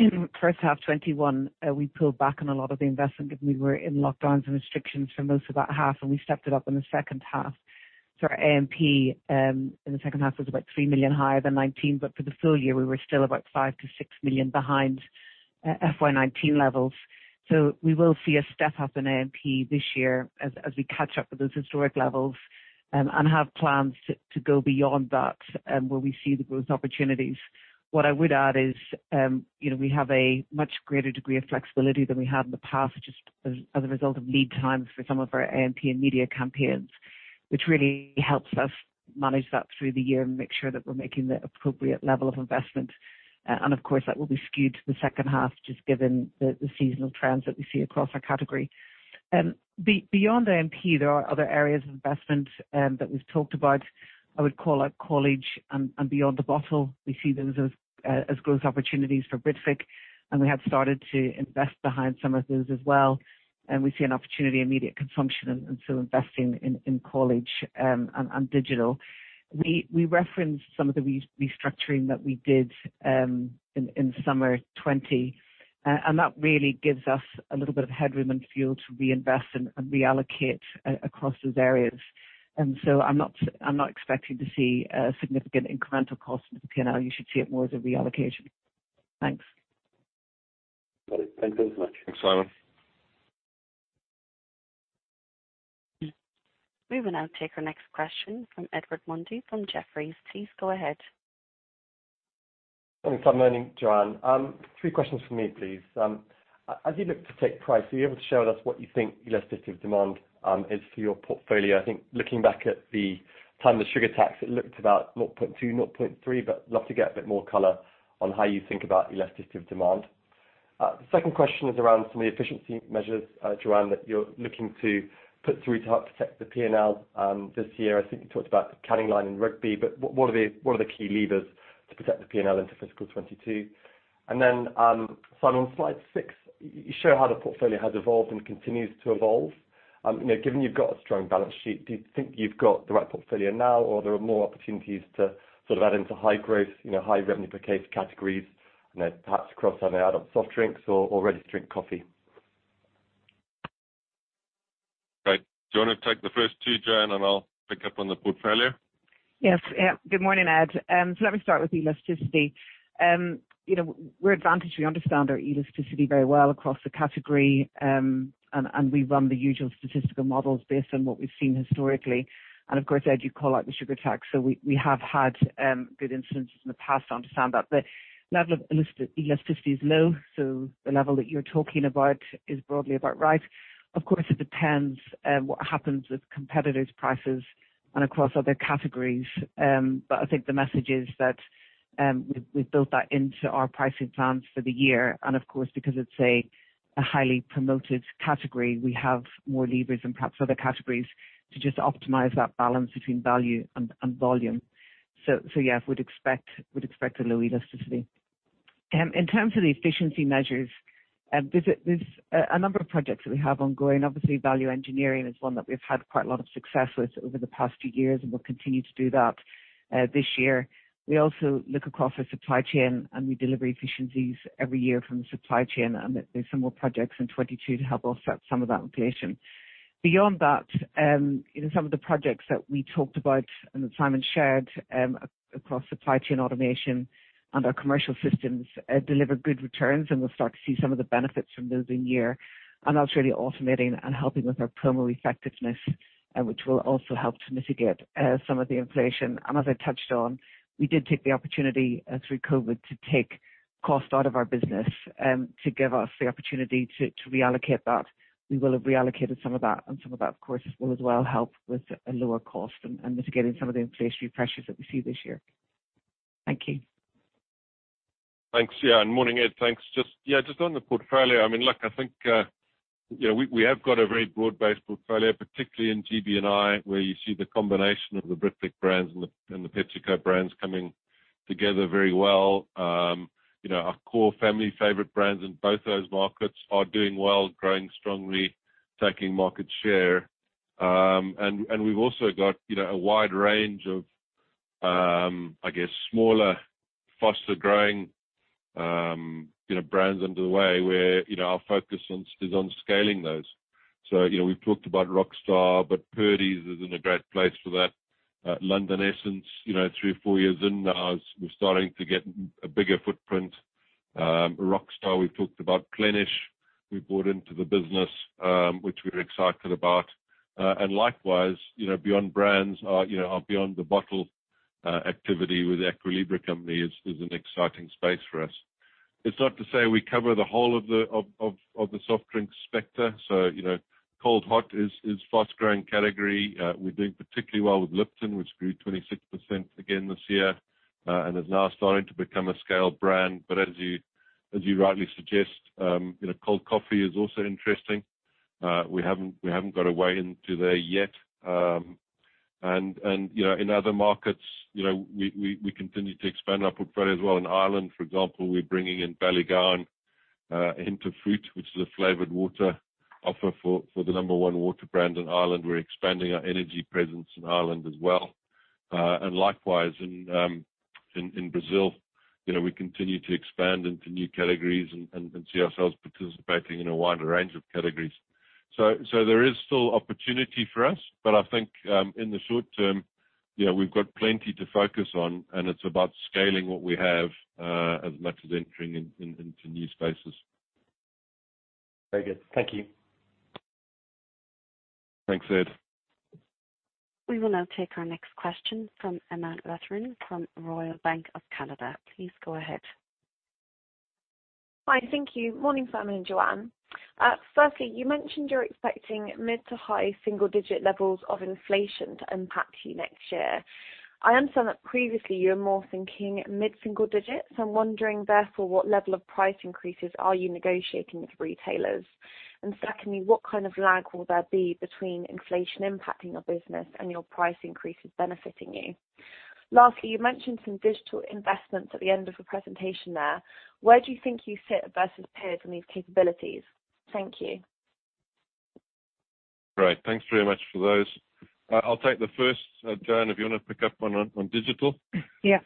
H1 2021, we pulled back on a lot of the investment given we were in lockdowns and restrictions for most of that half, and we stepped it up in the H2. Our AMP in the H2 was about 3 million higher than 2019, but for the full year, we were still about 5 million -6 million behind FY 2019 levels. We will see a step up in AMP this year as we catch up with those historic levels, and have plans to go beyond that, where we see the growth opportunities. What I would add is, you know, we have a much greater degree of flexibility than we had in the past, just as a result of lead times for some of our AMP and media campaigns, which really helps us manage that through the year and make sure that we're making the appropriate level of investment. Of course, that will be skewed to the H2, just given the seasonal trends that we see across our category. Beyond AMP, there are other areas of investment that we've talked about. I would call out College and Beyond the Bottle. We see those as growth opportunities for Britvic, and we have started to invest behind some of those as well. We see an opportunity in immediate consumption and so investing in College and digital. We referenced some of the restructuring that we did in summer 2020. That really gives us a little bit of headroom and fuel to reinvest and reallocate across those areas. I'm not expecting to see a significant incremental cost to P&L. You should see it more as a reallocation. Thanks. Got it. Thank you very much. Thanks, Simon. We will now take our next question from Edward Mundy from Jefferies. Please go ahead. Good morning, Simon and Joanne. Three questions from me, please. As you look to take price, are you able to share with us what you think elasticity of demand is for your portfolio? I think looking back at the time of the sugar tax, it looked about 0.2, 0.3, but love to get a bit more color on how you think about elasticity of demand. The second question is around some of the efficiency measures, Joanne, that you're looking to put through to help protect the P&L this year. I think you talked about the canning line in Rugby, but what are the key levers to protect the P&L into fiscal 2022? Then, Simon, on slide six, you show how the portfolio has evolved and continues to evolve. You know, given you've got a strong balance sheet, do you think you've got the right portfolio now, or there are more opportunities to sort of add into high growth, you know, high revenue per case categories, you know, perhaps across something out of soft drinks or registered coffee? Right. Do you wanna take the first two, Joanne, and I'll pick up on the portfolio? Yes. Yeah. Good morning, Ed. Let me start with elasticity. You know, we're advantaged. We understand our elasticity very well across the category, and we run the usual statistical models based on what we've seen historically. Of course, Ed, you call out the sugar tax, so we have had good instances in the past to understand that. The level of elasticity is low, so the level that you're talking about is broadly about right. Of course, it depends what happens with competitors' prices and across other categories. I think the message is that we've built that into our pricing plans for the year. Of course, because it's a highly promoted category, we have more levers than perhaps other categories to just optimize that balance between value and volume. Yeah, would expect a low elasticity. In terms of the efficiency measures, there's a number of projects that we have ongoing. Obviously, value engineering is one that we've had quite a lot of success with over the past few years, and we'll continue to do that this year. We also look across our supply chain, and we deliver efficiencies every year from the supply chain, and there's some more projects in 2022 to help offset some of that inflation. Beyond that, you know, some of the projects that we talked about and that Simon shared, across supply chain automation and our commercial systems, deliver good returns, and we'll start to see some of the benefits from those in year. That's really automating and helping with our promo effectiveness, which will also help to mitigate some of the inflation. As I touched on, we did take the opportunity through COVID to take cost out of our business, to give us the opportunity to reallocate that. We will have reallocated some of that, and some of that, of course, will as well help with a lower cost and mitigating some of the inflationary pressures that we see this year. Thank you. Thanks. Yeah. Good morning, Ed. Thanks. Just on the portfolio, I mean, look, I think you know, we have got a very broad-based portfolio, particularly in GB&I, where you see the combination of the Britvic brands and the PepsiCo brands coming together very well. You know, our core family favorite brands in both those markets are doing well, growing strongly, taking market share. We've also got you know, a wide range of I guess, smaller, faster-growing you know, brands underway where you know, our focus is on scaling those. You know, we've talked about Rockstar, but Purdey's is in a great place for that. London Essence, you know, three or four years in now, and we're starting to get a bigger footprint. Rockstar, we've talked about. Plenish, we brought into the business, which we're excited about. Likewise, you know, beyond brands, our, you know, our Beyond the Bottle activity with the Aqua Libra company is an exciting space for us. It's not to say we cover the whole of the soft drink spectrum. You know, cold/hot is fast growing category. We're doing particularly well with Lipton, which grew 26% again this year, and is now starting to become a scale brand. As you rightly suggest, you know, cold coffee is also interesting. We haven't got a way into there yet. You know, in other markets, you know, we continue to expand our portfolio as well. In Ireland, for example, we're bringing in Ballygowan Hint of Fruit, which is a flavored water offer for the number one water brand in Ireland. We're expanding our energy presence in Ireland as well. Likewise in Brazil, you know, we continue to expand into new categories and see ourselves participating in a wider range of categories. There is still opportunity for us, but I think in the short term, you know, we've got plenty to focus on, and it's about scaling what we have as much as entering into new spaces. Very good. Thank you. Thanks, Ed. We will now take our next question from Emma Letheren from Royal Bank of Canada. Please go ahead. Hi. Thank you. Morning, Simon and Joanne. Firstly, you mentioned you're expecting mid to high-single-digit levels of inflation to impact you next year. I understand that previously you were more thinking mid-single digits. I'm wondering therefore what level of price increases are you negotiating with retailers? And secondly, what kind of lag will there be between inflation impacting your business and your price increases benefiting you? Lastly, you mentioned some digital investments at the end of the presentation there. Where do you think you sit versus peers in these capabilities? Thank you. Great. Thanks very much for those. I'll take the first. Joanne, if you wanna pick up on digital- Yeah...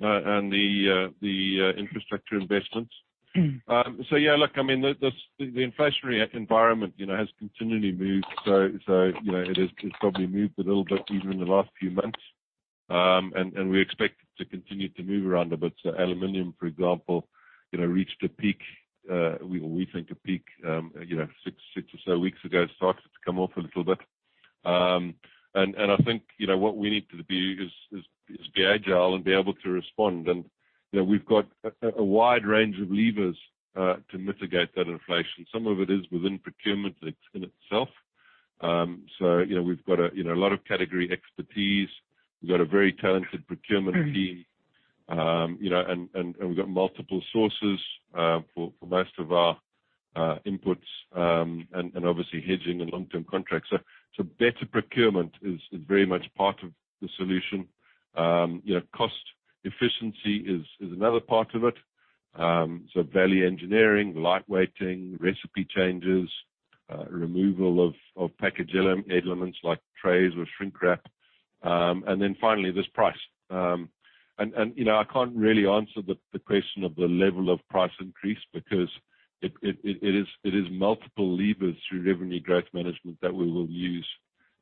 the infrastructure investments. Mm. Yeah, look, I mean, the inflationary environment, you know, has continually moved. You know, it has, it's probably moved a little bit even in the last few months. We expect it to continue to move around a bit. Aluminum, for example, you know, reached a peak, we think a peak, you know, six or so weeks ago. It starts to come off a little bit. I think, you know, what we need to be is to be agile and be able to respond. You know, we've got a wide range of levers to mitigate that inflation. Some of it is within procurement in itself. You know, we've got a lot of category expertise. We've got a very talented procurement team. You know, we've got multiple sources for most of our inputs and obviously hedging and long-term contracts. Better procurement is very much part of the solution. You know, cost efficiency is another part of it, value engineering, light weighting, recipe changes, removal of package elements like trays or shrink wrap. Finally, there's price. You know, I can't really answer the question of the level of price increase because it is multiple levers through revenue growth management that we will use.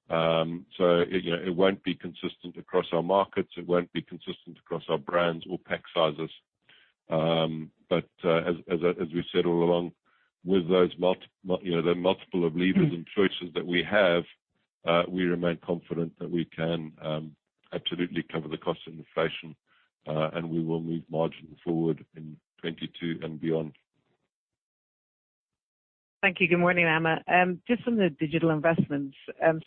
You know, it won't be consistent across our markets. It won't be consistent across our brands or pack sizes. As we've said all along, with those multiple levers and choices that we have, you know, we remain confident that we can absolutely cover the cost of inflation, and we will move margin forward in 2022 and beyond. Thank you. Good morning, Emma. Just on the digital investments.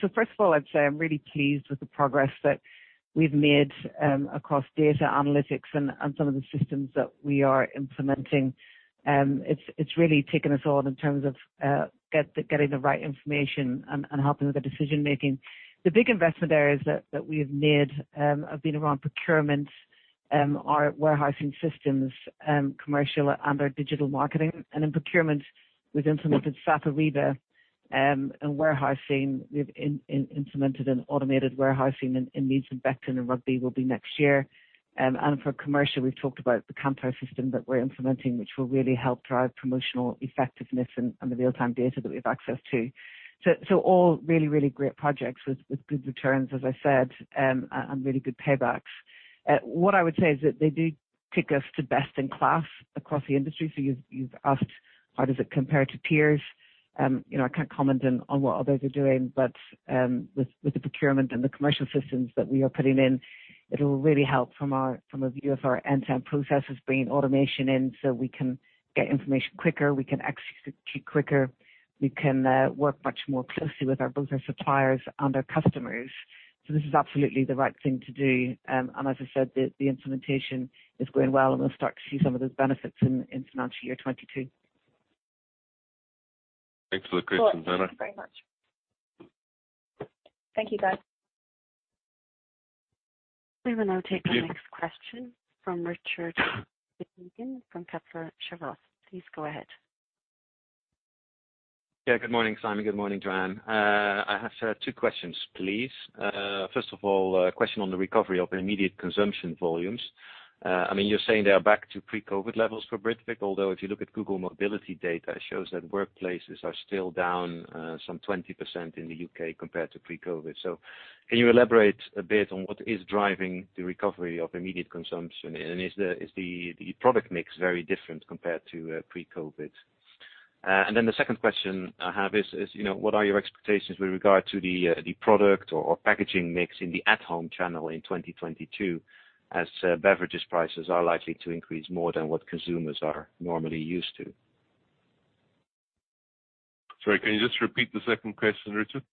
First of all, I'd say I'm really pleased with the progress that we've made across data analytics and some of the systems that we are implementing. It's really taken us on in terms of getting the right information and helping with the decision-making. The big investment areas that we have made have been around procurement, our warehousing systems, commercial and our digital marketing. In procurement, we've implemented SAP Ariba. In warehousing, we've implemented an automated warehousing in Leeds and Beckton and Rugby will be next year. For commercial, we've talked about the Kantar system that we're implementing, which will really help drive promotional effectiveness and the real-time data that we have access to. All really great projects with good returns, as I said, and really good paybacks. What I would say is that they do take us to best in class across the industry. You've asked how does it compare to peers. You know, I can't comment on what others are doing. With the procurement and the commercial systems that we are putting in, it'll really help from a view of our end-to-end processes, bringing automation in, so we can get information quicker, we can execute quicker, we can work much more closely with our business suppliers and our customers. This is absolutely the right thing to do. As I said, the implementation is going well, and we'll start to see some of those benefits in financial year 2022. Thanks for the questions, Emma. Thank you very much. Thank you, guys. We will now take the next question from Richard Withagen from Kepler Cheuvreux. Please go ahead. Yeah. Good morning, Simon. Good morning, Joanne. I have two questions, please. First of all, a question on the recovery of immediate consumption volumes. I mean, you're saying they are back to pre-COVID levels for Britvic, although if you look at Google Mobility data, it shows that workplaces are still down some 20% in the U.K. compared to pre-COVID. Can you elaborate a bit on what is driving the recovery of immediate consumption? And is the product mix very different compared to pre-COVID? And then the second question I have is, you know, what are your expectations with regard to the product or packaging mix in the at-home channel in 2022, as beverages prices are likely to increase more than what consumers are normally used to? Sorry, can you just repeat the second question, Richard?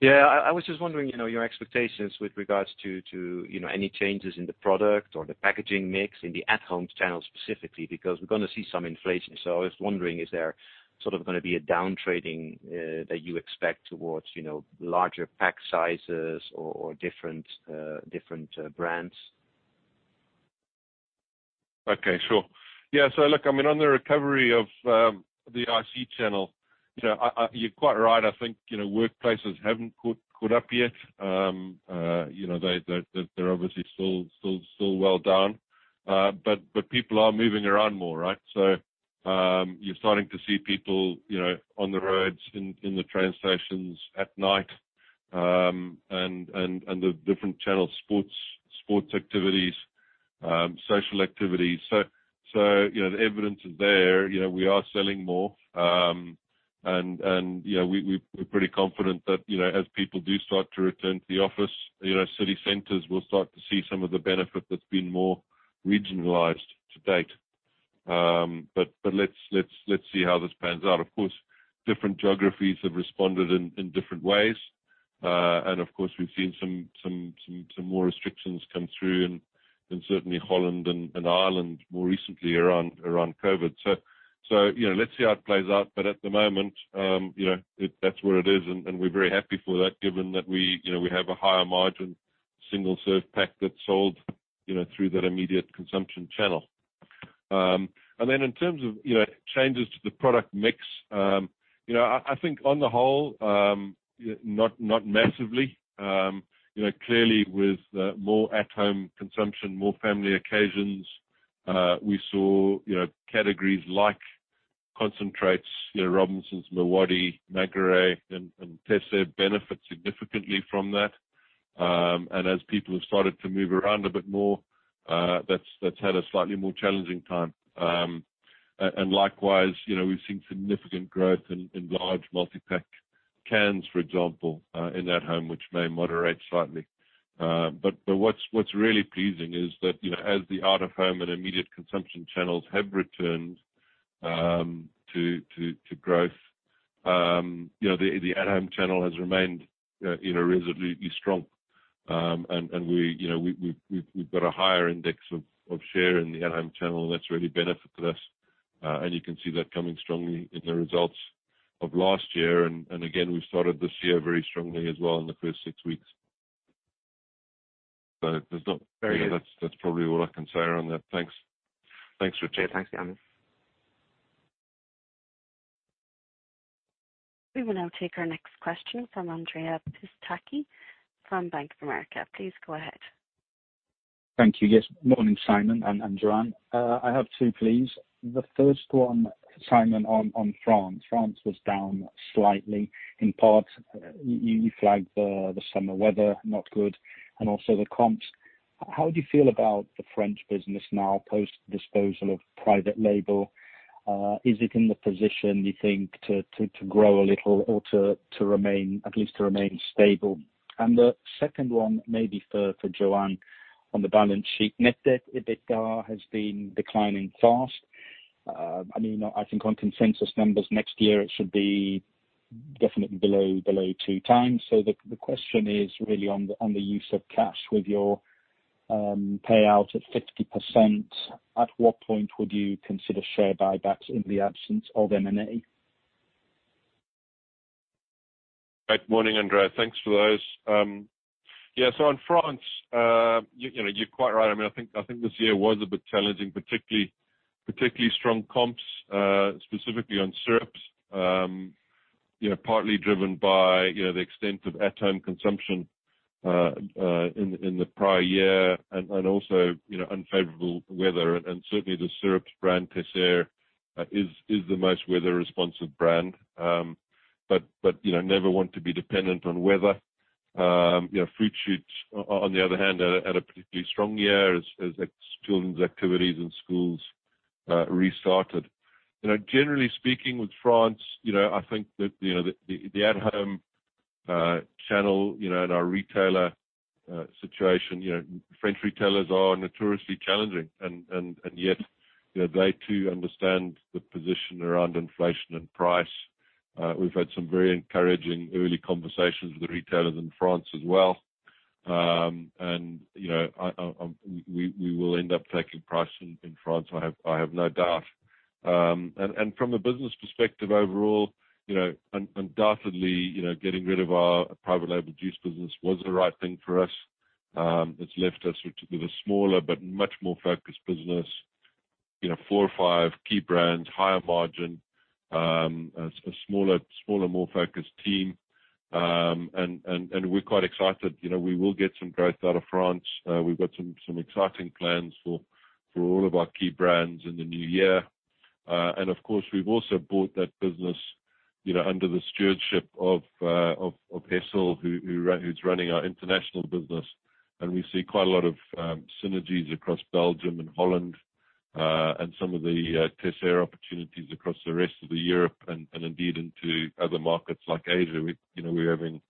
Yeah. I was just wondering, you know, your expectations with regards to, you know, any changes in the product or the packaging mix in the at-home channel specifically, because we're gonna see some inflation. I was wondering, is there sort of gonna be a down trading that you expect towards, you know, larger pack sizes or different brands? Okay. Sure. Yeah. Look, I mean, on the recovery of the IC channel, you know, you're quite right. I think, you know, workplaces haven't caught up yet. You know, they're obviously still well down. People are moving around more, right? You're starting to see people, you know, on the roads, in the train stations at night and the different channels, sports activities, social activities. You know, the evidence is there. You know, we are selling more. You know, we're pretty confident that, you know, as people do start to return to the office, you know, city centers will start to see some of the benefit that's been more regionalized to date. Let's see how this pans out. Of course, different geographies have responded in different ways. Of course, we've seen some more restrictions come through and certainly Holland and Ireland more recently around COVID. You know, let's see how it plays out. At the moment, you know, that's where it is, and we're very happy for that, given that we, you know, we have a higher margin single serve pack that's sold, you know, through that immediate consumption channel. Then in terms of, you know, changes to the product mix, you know, I think on the whole, not massively. You know, clearly with more at-home consumption, more family occasions, we saw, you know, categories like concentrates. You know, Robinsons, MiWadi, Maguary and Teisseire benefit significantly from that. As people have started to move around a bit more, that's had a slightly more challenging time. Likewise, you know, we've seen significant growth in large multi-pack cans, for example, in at-home which may moderate slightly. What's really pleasing is that, you know, as the out-of-home and immediate consumption channels have returned to growth, you know, the at-home channel has remained reasonably strong. We, you know, we've got a higher index of share in the at-home channel that's really beneficial to us. You can see that coming strongly in the results of last year. Again, we've started this year very strongly as well in the first six weeks. But there's not- Very good. You know, that's probably all I can say around that. Thanks. Thanks, Richard. Yeah. Thanks, Simon. We will now take our next question from Andrea Pistacchi from Bank of America. Please go ahead. Thank you. Yes, morning, Simon and Joanne. I have two, please. The first one, Simon, on France. France was down slightly. In part, you flagged the summer weather, not good, and also the comps. How do you feel about the French business now, post disposal of private label? Is it in the position you think to grow a little or to remain at least stable? The second one may be for Joanne on the balance sheet. Net debt to EBITDA has been declining fast. I mean, I think on consensus numbers next year it should be definitely below 2x. The question is really on the use of cash with your payout at 50%, at what point would you consider share buybacks in the absence of M&A? Good morning, Andrea. Thanks for those. In France, you know, you're quite right. I mean, I think this year was a bit challenging, particularly strong comps, specifically on syrups. You know, partly driven by the extent of at-home consumption in the prior year and also unfavorable weather. Certainly the syrups brand, Teisseire, is the most weather responsive brand. You know, never one to be dependent on weather. You know, Fruit Shoot on the other hand had a particularly strong year as children's activities and schools restarted. You know, generally speaking with France, you know, I think that the at-home channel and our retailer situation. You know, French retailers are notoriously challenging and yet, you know, they too understand the position around inflation and price. We've had some very encouraging early conversations with the retailers in France as well. You know, we will end up taking price in France. I have no doubt. From a business perspective overall, you know, undoubtedly, you know, getting rid of our private label juice business was the right thing for us. It's left us with a smaller but much more focused business. You know, four or five key brands, higher margin, a smaller more focused team. We're quite excited. You know, we will get some growth out of France. We've got some exciting plans for all of our key brands in the new year. Of course, we've also brought that business, you know, under the stewardship of Hessel, who's running our international business. We see quite a lot of synergies across Belgium and Holland, and some of the Teisseire opportunities across the rest of Europe and indeed into other markets like Asia. You know, we have in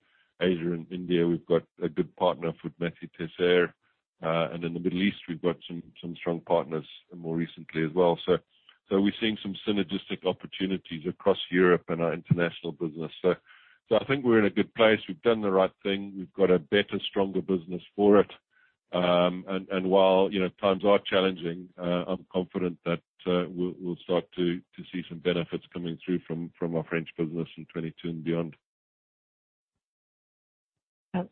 Asia and India. We've got a good partner for Mathieu Teisseire. In the Middle East, we've got some strong partners more recently as well. We're seeing some synergistic opportunities across Europe and our international business. I think we're in a good place. We've done the right thing. We've got a better, stronger business for it. While, you know, times are challenging, I'm confident that we'll start to see some benefits coming through from our French business in 2022 and beyond.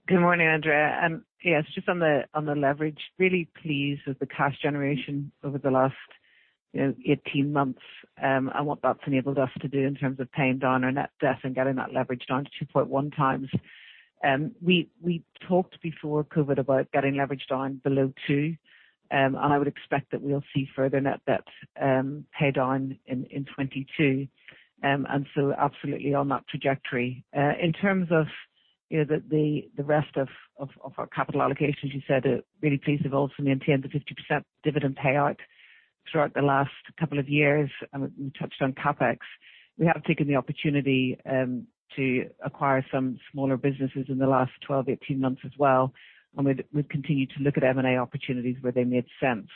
Good morning, Andrea. Yes, just on the leverage, really pleased with the cash generation over the last 18 months, and what that's enabled us to do in terms of paying down our net debt and getting that leverage down to 2.1x. We talked before COVID about getting leverage down below two. I would expect that we'll see further net debt pay down in 2022. Absolutely on that trajectory. In terms of the rest of our capital allocations, we're really pleased with ultimately maintaining the 50% dividend payout throughout the last couple of years. We touched on CapEx. We have taken the opportunity to acquire some smaller businesses in the last 12, 18 months as well. We've continued to look at M&A opportunities where they made sense.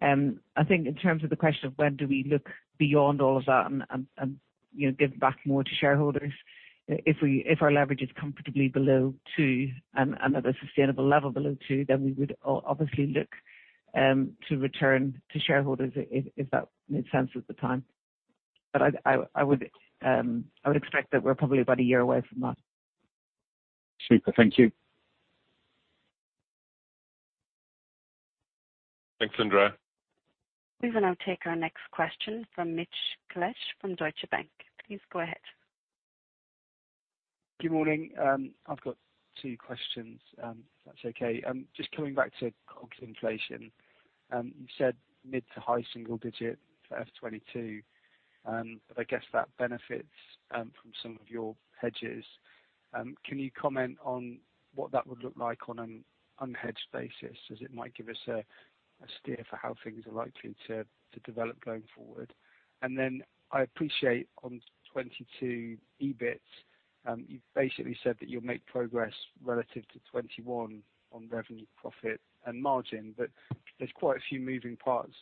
I think in terms of the question of when do we look beyond all of that and, you know, give back more to shareholders, if our leverage is comfortably below two and at a sustainable level below two, then we would obviously look to return to shareholders if that made sense at the time. I would expect that we're probably about a year away from that. Super. Thank you. Thanks, Andrea. We will now take our next question from Mitch Collett from Deutsche Bank. Please go ahead. Good morning. I've got two questions, if that's okay. Just coming back to COGS inflation. You said mid- to high-single-digit for FY 2022, but I guess that benefits from some of your hedges. Can you comment on what that would look like on an unhedged basis, as it might give us a steer for how things are likely to develop going forward? And then I appreciate on 2022 EBIT, you've basically said that you'll make progress relative to 2021 on revenue profit and margin, but there's quite a few moving parts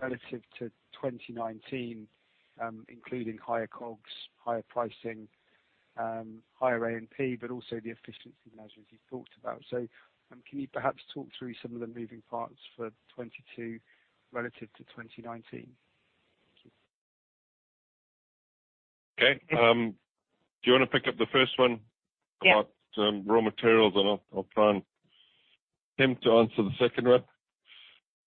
relative to 2019, including higher COGS, higher pricing, higher A&P, but also the efficiency measures you've talked about. Can you perhaps talk through some of the moving parts for 2022 relative to 2019? Thank you. Okay. Do you wanna pick up the first one? Yeah. about raw materials, and I'll try and attempt to answer the second one.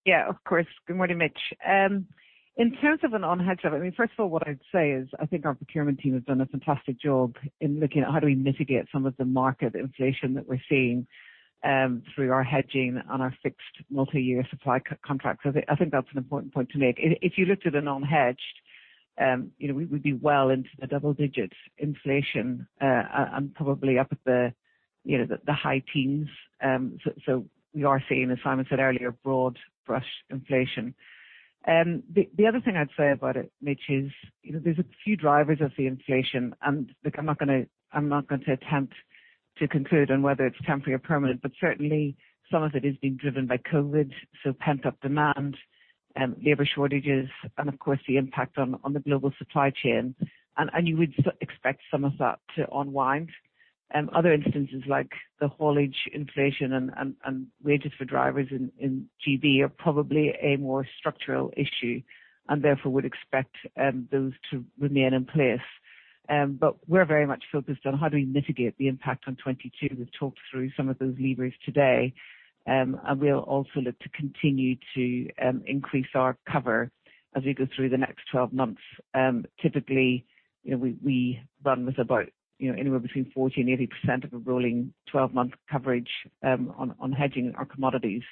Yeah, of course. Good morning, Mitch. In terms of an unhedged, I mean, first of all, what I'd say is, I think our procurement team has done a fantastic job in looking at how do we mitigate some of the market inflation that we're seeing through our hedging on our fixed multi-year supply contracts. I think that's an important point to make. If you looked at an unhedged, you know, we'd be well into the double digits inflation, and probably up at the high teens. We are seeing, as Simon said earlier, broad brush inflation. The other thing I'd say about it, Mitch, is, you know, there's a few drivers of the inflation, and look, I'm not gonna attempt to conclude on whether it's temporary or permanent, but certainly some of it is being driven by COVID, so pent-up demand, labor shortages, and of course the impact on the global supply chain. You would expect some of that to unwind. Other instances like the haulage inflation and wages for drivers in GB are probably a more structural issue, and therefore we'd expect those to remain in place. We're very much focused on how do we mitigate the impact on 2022. We've talked through some of those levers today. We'll also look to continue to increase our cover as we go through the next twelve months. Typically, you know, we run with about, you know, anywhere between 40%-80% of a rolling twelve-month coverage on hedging our commodities.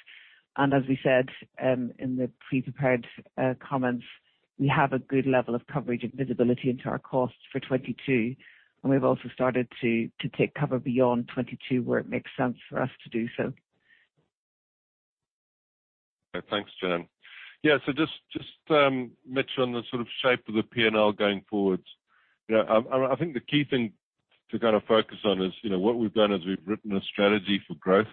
As we said in the pre-prepared comments, we have a good level of coverage and visibility into our costs for 2022, and we've also started to take cover beyond 2022, where it makes sense for us to do so. Okay. Thanks, Joanne. Yeah. So Mitch, on the sort of shape of the P&L going forward. You know, I think the key thing to kind of focus on is, you know, what we've done is we've written a strategy for growth.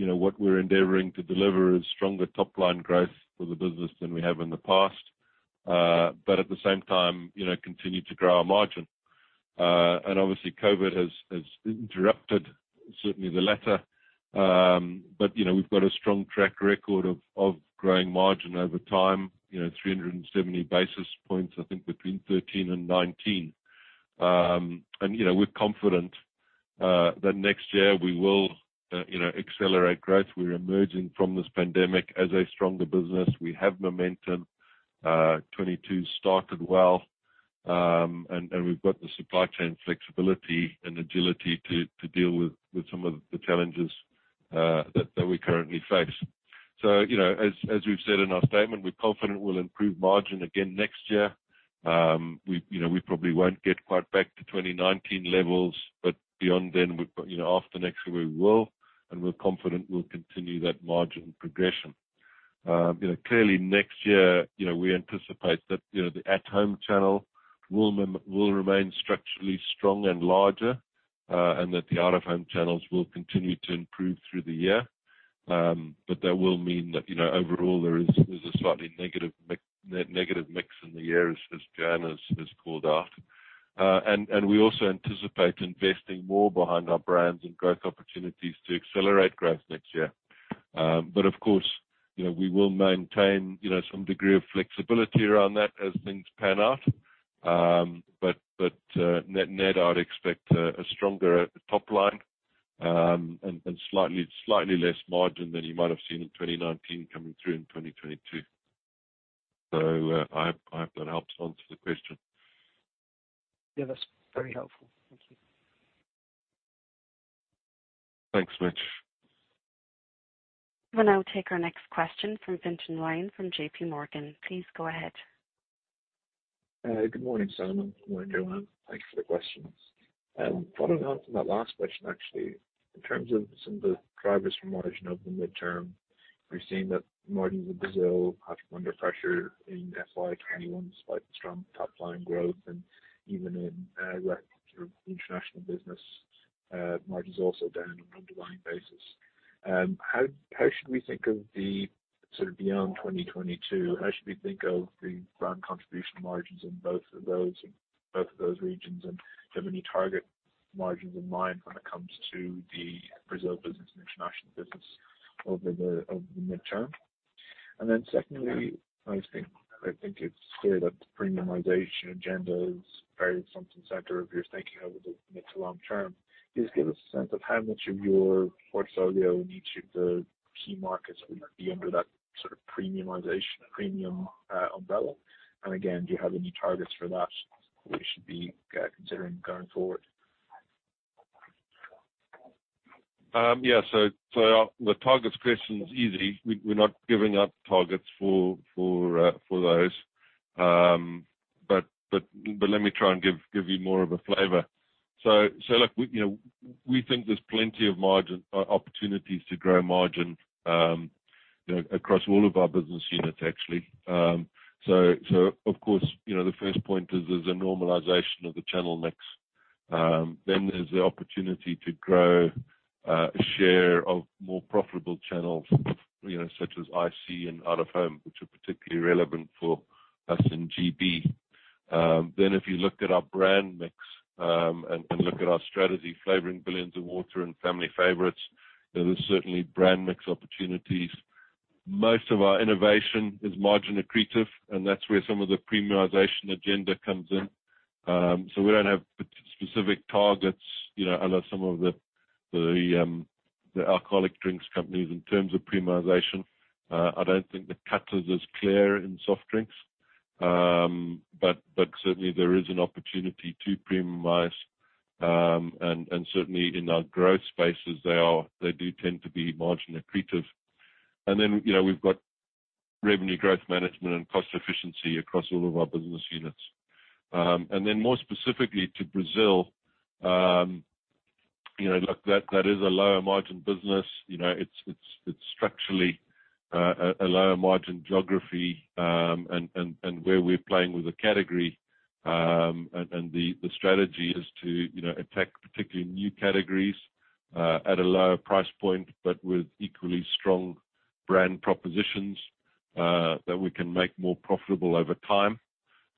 You know, what we're endeavoring to deliver is stronger top-line growth for the business than we have in the past. But at the same time, you know, continue to grow our margin. And obviously COVID has interrupted certainly the latter. You know, we've got a strong track record of growing margin over time. You know, 370 basis points, I think, between 2013 and 2019. You know, we're confident that next year we will, you know, accelerate growth. We're emerging from this pandemic as a stronger business. We have momentum. '22 started well, and we've got the supply chain flexibility and agility to deal with some of the challenges that we currently face. You know, as we've said in our statement, we're confident we'll improve margin again next year. You know, we probably won't get quite back to 2019 levels, but beyond then, we've got. You know, after next year, we will, and we're confident we'll continue that margin progression. You know, clearly next year, you know, we anticipate that you know, the at-home channel will remain structurally strong and larger, and that the out-of-home channels will continue to improve through the year. But that will mean that, you know, overall there's a slightly negative mix in the year, as Joanne has called out. we also anticipate investing more behind our brands and growth opportunities to accelerate growth next year. Of course, you know, we will maintain, you know, some degree of flexibility around that as things pan out. net-net, I'd expect a stronger top line, and slightly less margin than you might have seen in 2019 coming through in 2022. I hope that helps answer the question. Yeah, that's very helpful. Thank you. Thanks, Mitch. We'll now take our next question from Fintan Ryan from JPMorgan. Please go ahead. Good morning, Simon. Good morning, Joanne. Thank you for the questions. Following on from that last question, actually. In terms of some of the progress from margin over the midterm, we're seeing that margins in Brazil have come under pressure in FY 2021, despite the strong top-line growth and even in sort of the international business. Margin's also down on an underlying basis. How should we think of the sort of beyond 2022? How should we think of the brand contribution margins in both of those regions? Do you have any target margins in mind when it comes to the Brazil business and international business over the midterm? Secondly, I think it's clear that the premiumization agenda is very front and center of your thinking over the mid to long term. Just give us a sense of how much of your portfolio in each of the key markets would be under that sort of premiumization premium umbrella. Again, do you have any targets for that we should be considering going forward? Yeah. The targets question is easy. We're not giving up targets for those. Let me try and give you more of a flavor. Look, you know, we think there's plenty of margin opportunities to grow margin, you know, across all of our business units actually. Of course, you know, the first point is there's a normalization of the channel mix. There's the opportunity to grow a share of more profitable channels, you know, such as IC and out-of-home, which are particularly relevant for us in GB. If you look at our brand mix, and look at our strategy, flavoring billions of water and family favorites, there's certainly brand mix opportunities. Most of our innovation is margin accretive, and that's where some of the premiumization agenda comes in. We don't have specific targets, you know, other than some of the alcoholic drinks companies in terms of premiumization. I don't think the cut is as clear in soft drinks. Certainly there is an opportunity to premiumize. Certainly in our growth spaces, they do tend to be margin accretive. Then, you know, we've got revenue growth management and cost efficiency across all of our business units. Then more specifically to Brazil, you know, look, that is a lower margin business. You know, it's structurally a lower margin geography, and where we're playing with a category, and the strategy is to, you know, attack particularly new categories at a lower price point, but with equally strong brand propositions that we can make more profitable over time.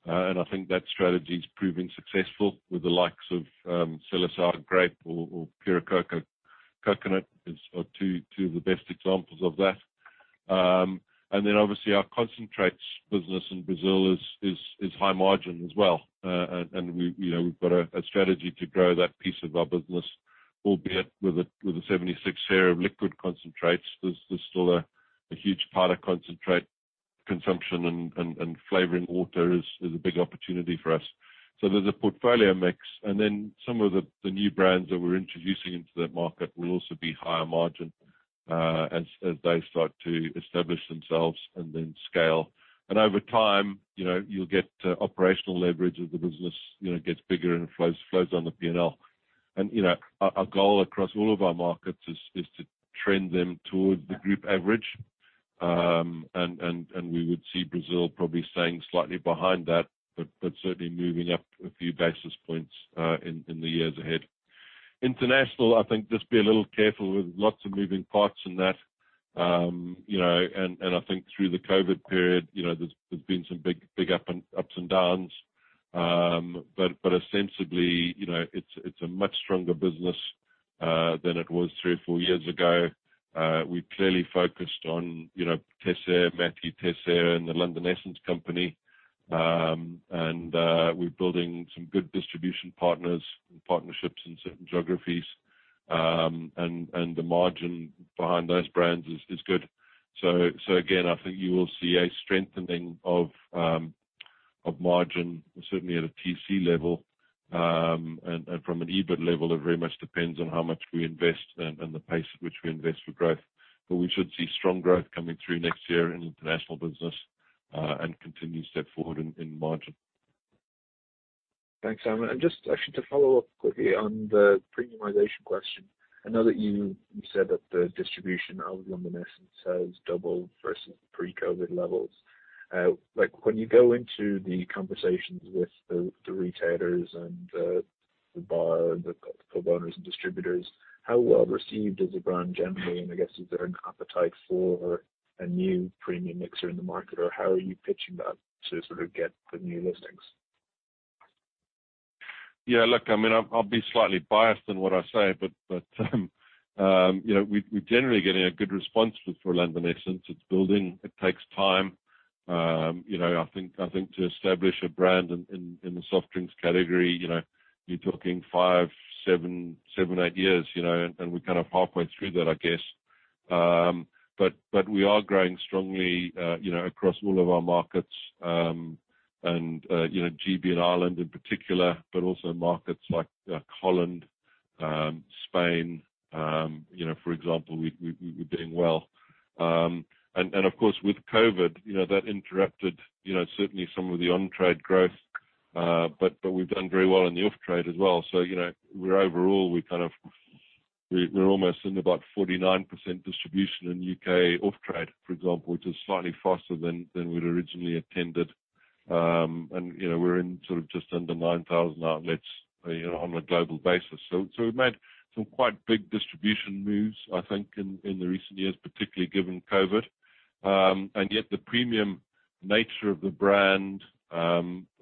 I think that strategy is proving successful with the likes of Seleção Grape or Puro Coco, which are two of the best examples of that. Then obviously our concentrates business in Brazil is high margin as well. We, you know, we've got a strategy to grow that piece of our business, albeit with a 76% share of liquid concentrates. There's still a huge part of concentrate consumption and flavoring water is a big opportunity for us. There's a portfolio mix, and then some of the new brands that we're introducing into that market will also be higher margin, as they start to establish themselves and then scale. Over time, you know, you'll get operational leverage as the business, you know, gets bigger and it flows on the P&L. You know, our goal across all of our markets is to trend them towards the group average. We would see Brazil probably staying slightly behind that, but certainly moving up a few basis points in the years ahead. International, I think, just be a little careful with lots of moving parts in that. You know, I think through the COVID period, you know, there's been some big ups and downs. Ostensibly, you know, it's a much stronger business than it was three or four years ago. We clearly focused on, you know, Teisseire, Mathieu Teisseire and the London Essence Company. We're building some good distribution partners and partnerships in certain geographies. The margin behind those brands is good. Again, I think you will see a strengthening of margin certainly at a BC level. From an EBIT level, it very much depends on how much we invest and the pace at which we invest for growth. We should see strong growth coming through next year in international business, and continue to step forward in margin. Thanks, Simon. Just actually to follow up quickly on the premiumization question. I know that you said that the distribution of London Essence has doubled versus pre-COVID levels. Like when you go into the conversations with the retailers and the bar, the pub owners and distributors, how well received is the brand generally? I guess, is there an appetite for a new premium mixer in the market, or how are you pitching that to sort of get the new listings? Yeah, look, I mean, I'll be slightly biased in what I say, but you know, we're generally getting a good response with for London Essence. It's building. It takes time. You know, I think to establish a brand in the soft drinks category, you know, you're talking five, seven, eight years, you know, and we're kind of halfway through that, I guess. But we are growing strongly, you know, across all of our markets, and you know, GB and Ireland in particular, but also markets like Holland, Spain, you know, for example, we're doing well. And of course, with COVID, you know, that interrupted, you know, certainly some of the on-trade growth. But we've done very well in the off-trade as well. you know, we're overall almost in about 49% distribution in U.K. off-trade, for example, which is slightly faster than we'd originally intended. you know, we're in sort of just under 9,000 outlets, you know, on a global basis. we've made some quite big distribution moves, I think, in the recent years, particularly given COVID. and yet the premium nature of the brand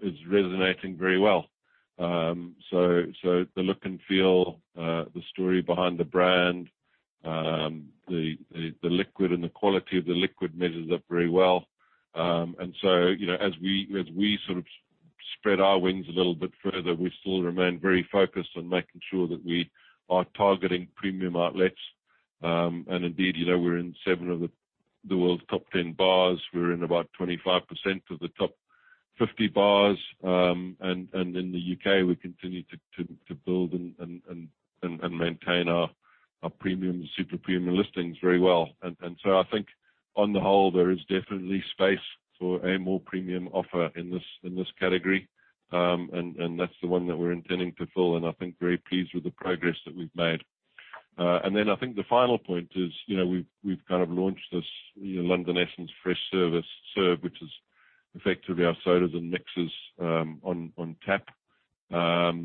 is resonating very well. the look and feel, the story behind the brand, the liquid and the quality of the liquid measures up very well. you know, as we sort of spread our wings a little bit further, we still remain very focused on making sure that we are targeting premium outlets. Indeed, you know, we're in 7 of the world's top 10 bars. We're in about 25% of the top 50 bars. In the U.K., we continue to build and maintain our premium, super premium listings very well. I think on the whole, there is definitely space for a more premium offer in this category. That's the one that we're intending to fill, and I think very pleased with the progress that we've made. Then I think the final point is, you know, we've kind of launched this, you know, London Essence Fresh Serve, which is effectively our sodas and mixes on tap. We're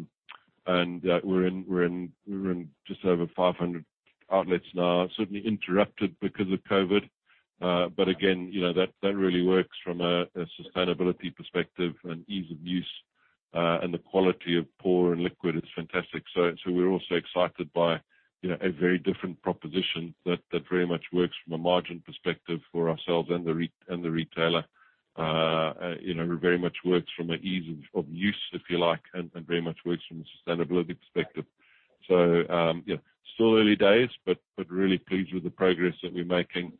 in just over 500 outlets now, certainly interrupted because of COVID. Again, you know, that really works from a sustainability perspective and ease of use, and the quality of pour and liquid is fantastic. We're also excited by, you know, a very different proposition that very much works from a margin perspective for ourselves and the retailer. You know, it very much works from an ease of use, if you like, and very much works from a sustainability perspective. Yeah, still early days, but really pleased with the progress that we're making.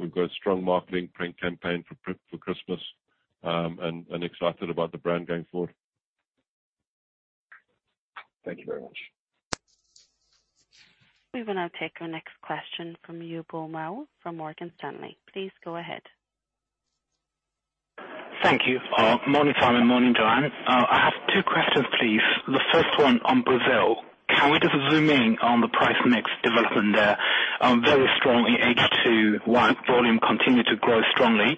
We've got a strong marketing campaign for Christmas, and excited about the brand going forward. Thank you very much. We will now take our next question from Hugo Mau from Morgan Stanley. Please go ahead. Thank you. Morning, Simon, morning, Joanne. I have two questions, please. The first one on Brazil. Can we just zoom in on the price mix development there? Very strong in H2, while volume continued to grow strongly.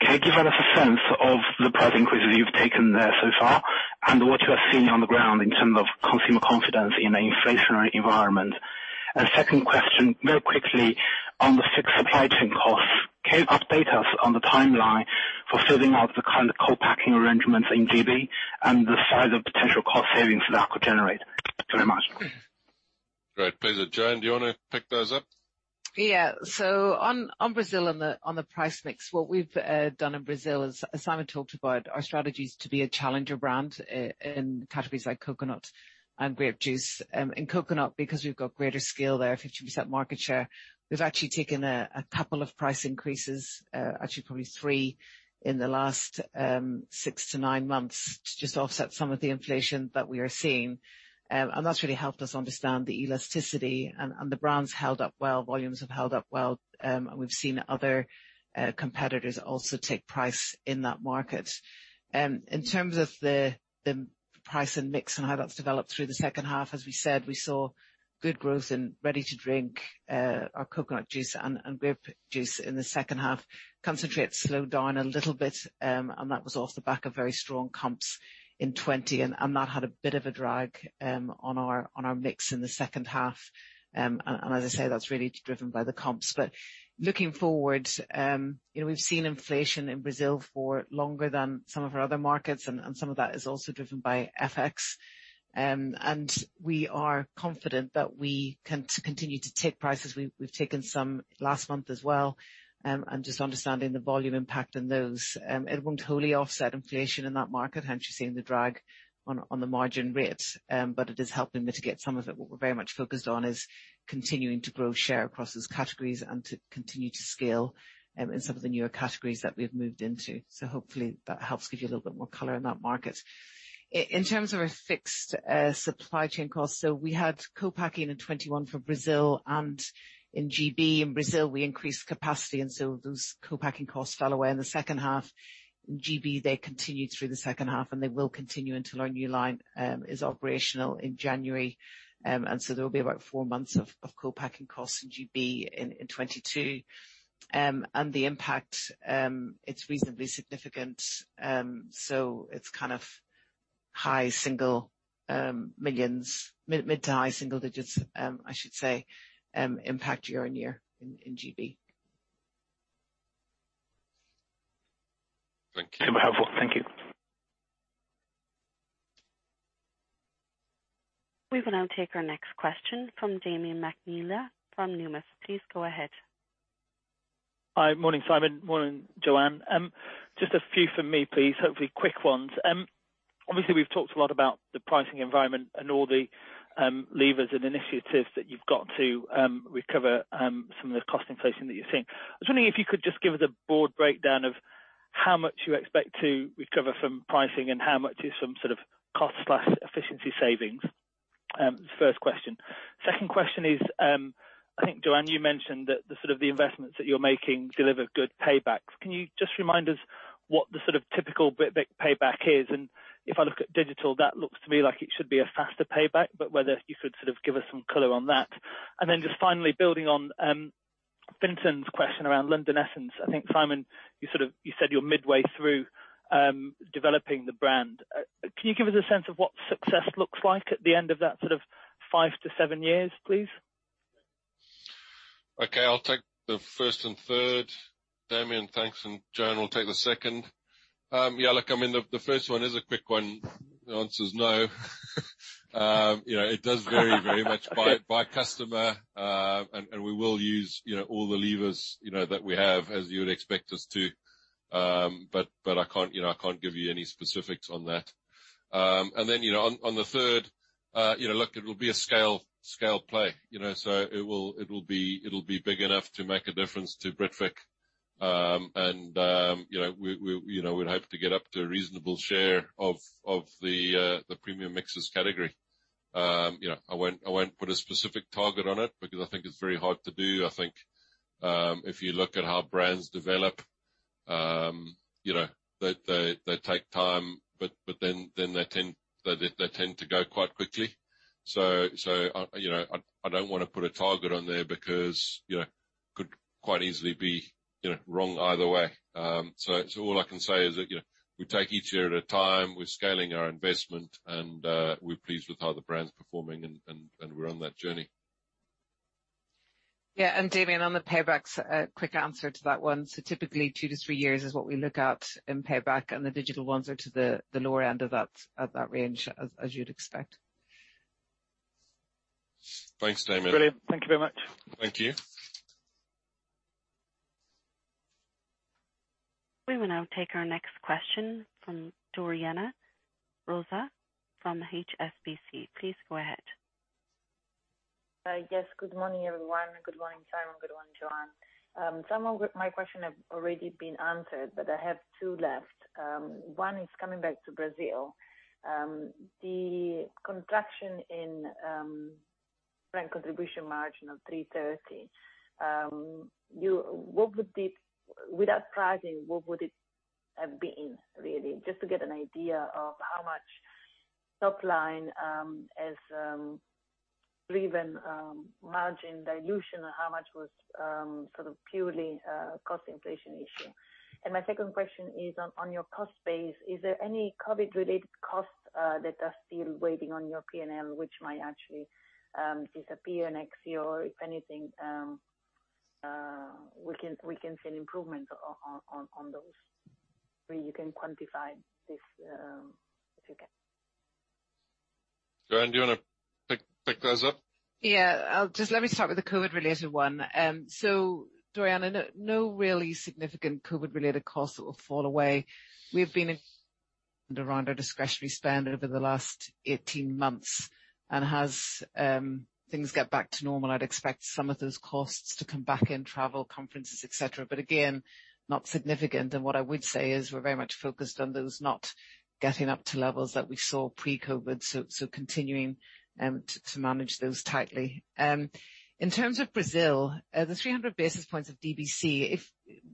Can you give us a sense of the price increases you've taken there so far and what you are seeing on the ground in terms of consumer confidence in an inflationary environment? Second question, real quickly on the fixed supply chain costs. Can you update us on the timeline for filling out the kind of co-packing arrangements in GB and the size of potential cost savings that could generate? Thank you very much. Great. Please, Joanne, do you wanna pick those up? Yeah. On Brazil and the price mix, what we've done in Brazil is, as Simon talked about, our strategy is to be a challenger brand in categories like coconut and grape juice. In coconut, because we've got greater scale there, 50% market share, we've actually taken a couple of price increases, actually probably three in the last six to nine months to just offset some of the inflation that we are seeing. That's really helped us understand the elasticity and the brand's held up well, volumes have held up well, and we've seen other competitors also take price in that market. In terms of the price and mix and how that's developed through the H2, as we said, we saw good growth in ready-to-drink, our coconut juice and grape juice in the H2. Concentrates slowed down a little bit, and that was off the back of very strong comps in 2020. That had a bit of a drag on our mix in the H2. As I say, that's really driven by the comps. Looking forward, you know, we've seen inflation in Brazil for longer than some of our other markets and some of that is also driven by FX. We are confident that we can continue to take prices. We've taken some last month as well, and just understanding the volume impact on those. It won't totally offset inflation in that market, hence you're seeing the drag on the margin rates. But it is helping mitigate some of it. What we're very much focused on is continuing to grow share across those categories and to continue to scale in some of the newer categories that we've moved into. Hopefully that helps give you a little bit more color in that market. In terms of our fixed supply chain costs, we had co-packing in 2021 for Brazil and in GB. In Brazil, we increased capacity, and so those co-packing costs fell away in the H2. In GB, they continued through the H2, and they will continue until our new line is operational in January. There will be about four months of co-packing costs in GB in 2022. The impact, it's reasonably significant. It's kind of high single millions, mid to high single digits, I should say, impact year-on-year in GB. Thank you. Super helpful. Thank you. We will now take our next question from Damian McNeela from Numis. Please go ahead. Hi. Morning, Simon. Morning, Joanne. Just a few from me, please, hopefully quick ones. Obviously, we've talked a lot about the pricing environment and all the levers and initiatives that you've got to recover some of the cost inflation that you're seeing. I was wondering if you could just give us a broad breakdown of how much you expect to recover from pricing and how much is from sort of cost plus efficiency savings. First question. Second question is, I think, Joanne, you mentioned that the sort of investments that you're making deliver good paybacks. Can you just remind us what the sort of typical Britvic payback is? And if I look at digital, that looks to me like it should be a faster payback, but whether you could sort of give us some color on that. Just finally building on Fintan's question around London Essence. I think, Simon, you sort of, you said you're midway through developing the brand. Can you give us a sense of what success looks like at the end of that sort of five to seven years, please? Okay. I'll take the first and third, Damian, thanks. Joanne will take the second. Yeah, look, I mean, the first one is a quick one. The answer is no. You know, it does vary very much by customer, and we will use all the levers that we have as you would expect us to. But I can't give you any specifics on that. And then, you know, on the third, you know, look, it'll be a scale play. So it'll be big enough to make a difference to Britvic. And, you know, we'd hope to get up to a reasonable share of the premium mixes category. You know, I won't put a specific target on it because I think it's very hard to do. I think if you look at how brands develop, you know, they take time, but then they tend to go quite quickly. I don't wanna put a target on there because you know, could quite easily be you know, wrong either way. All I can say is that you know, we take each year at a time, we're scaling our investment and we're pleased with how the brand's performing and we're on that journey. Yeah, Damian, on the paybacks, a quick answer to that one. Typically two to three years is what we look at in payback, and the digital ones are to the lower end of that range as you'd expect. Thanks, Damian. Brilliant. Thank you very much. Thank you. We will now take our next question from Doriana Russo from HSBC. Please go ahead. Yes. Good morning, everyone. Good morning, Simon. Good morning, Joanne. Some of my questions have already been answered, but I have two left. One is coming back to Brazil. The contraction in brand contribution margin of 3.3%, without pricing, what would it have been really? Just to get an idea of how much top line has driven margin dilution and how much was sort of purely cost inflation issue. My second question is on your cost base. Is there any COVID related costs that are still weighing on your P&L, which might actually disappear next year? If anything, we can see an improvement on those. Where you can quantify this, if you can. Joanne, do you wanna pick those up? Let me start with the COVID-related one. So Doriana, no really significant COVID-related costs will fall away. We've been in around our discretionary spend over the last 18 months. As things get back to normal, I'd expect some of those costs to come back in travel, conferences, et cetera. Again, not significant. What I would say is we're very much focused on those not getting up to levels that we saw pre-COVID. Continuing to manage those tightly. In terms of Brazil, the 300 basis points of DBC,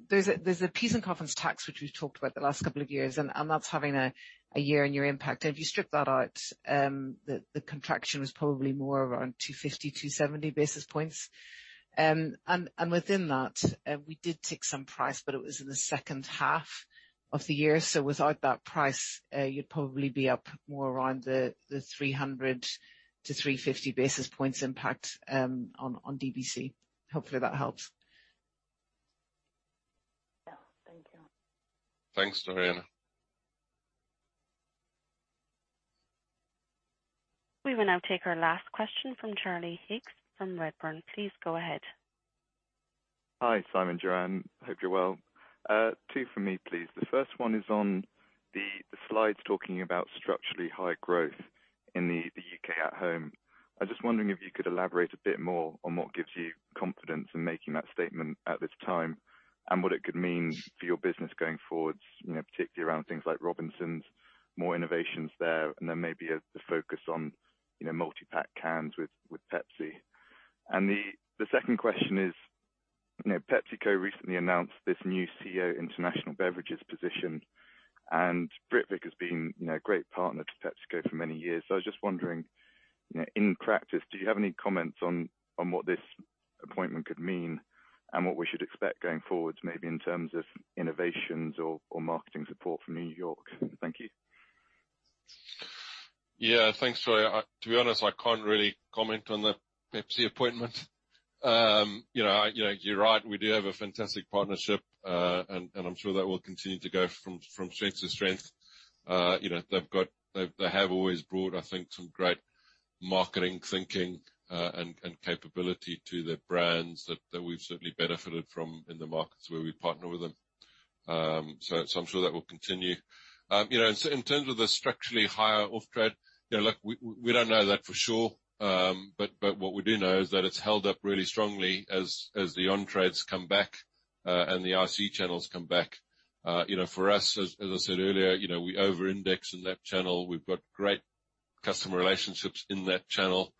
there's a PIS and COFINS tax, which we've talked about the last couple of years, and that's having a year-on-year impact. If you strip that out, the contraction was probably more around 250 basis points-270 basis points. Within that, we did take some price, but it was in the H2 of the year. Without that price, you'd probably be up more around the 300 basis points-350 basis points impact on DBC. Hopefully that helps. Yeah. Thank you. Thanks, Doriana. We will now take our last question from Charlie Higgs from Redburn. Please go ahead. Hi, Simon, Joanne. Hope you're well. Two for me, please. The first one is on the slides talking about structurally higher growth in the U.K. at-home. I'm just wondering if you could elaborate a bit more on what gives you confidence in making that statement at this time, and what it could mean for your business going forwards, you know, particularly around things like Robinsons, more innovations there, and then maybe the focus on, you know, multi-pack cans with Pepsi. The second question is, you know, PepsiCo recently announced this new CEO International Beverages position, and Britvic has been, you know, a great partner to PepsiCo for many years. I was just wondering, you know, in practice, do you have any comments on what this appointment could mean and what we should expect going forward, maybe in terms of innovations or marketing support from New York? Thank you. Yeah. Thanks, Charlie. To be honest, I can't really comment on the Pepsi appointment. You know, you're right, we do have a fantastic partnership, and I'm sure that will continue to go from strength to strength. You know, they have always brought, I think, some great marketing thinking, and capability to the brands that we've certainly benefited from in the markets where we partner with them. So, I'm sure that will continue. You know, in terms of the structurally higher off-trade, look, we don't know that for sure. But what we do know is that it's held up really strongly as the on-trades come back, and the RC channels come back. You know, for us, as I said earlier, you know, we over-index in that channel. We've got great customer relationships in that channel,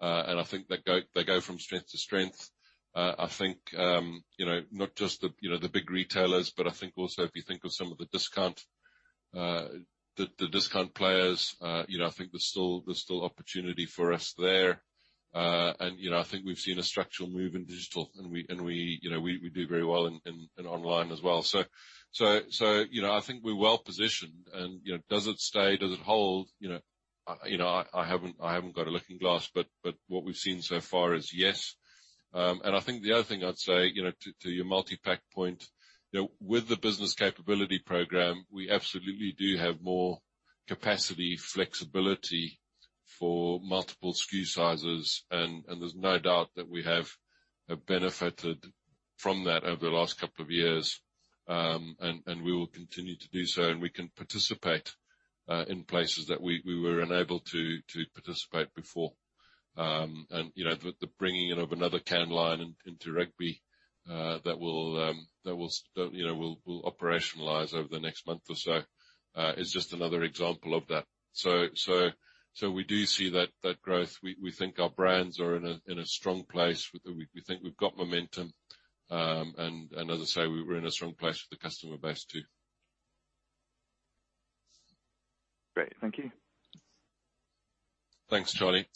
and I think they go from strength to strength. I think, you know, not just the big retailers, but I think also if you think of some of the discount players, you know, I think there's still opportunity for us there. And you know, I think we've seen a structural move in digital, and we, you know, we do very well in online as well. So, you know, I think we're well positioned and, you know, does it stay, does it hold? You know, I haven't got a looking glass, but what we've seen so far is yes. I think the other thing I'd say, you know, to your multipack point, you know, with the business capability program, we absolutely do have more capacity, flexibility for multiple SKU sizes, and there's no doubt that we have benefited from that over the last couple of years. We will continue to do so, and we can participate in places that we were unable to participate before. You know, the bringing in of another can line into Rugby that will operationalize over the next month or so is just another example of that. We do see that growth. We think our brands are in a strong place. We think we've got momentum. As I say, we're in a strong place with the customer base too. Great. Thank you. Thanks, Charlie.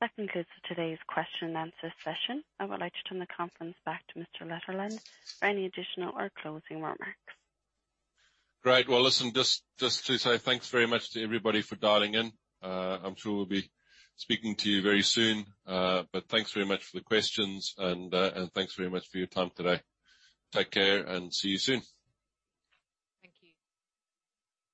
That concludes today's question and answer session. I would like to turn the conference back to Mr. Litherland for any additional or closing remarks. Great. Well, listen, just to say thanks very much to everybody for dialing in. I'm sure we'll be speaking to you very soon. Thanks very much for the questions and thanks very much for your time today. Take care and see you soon. Thank you.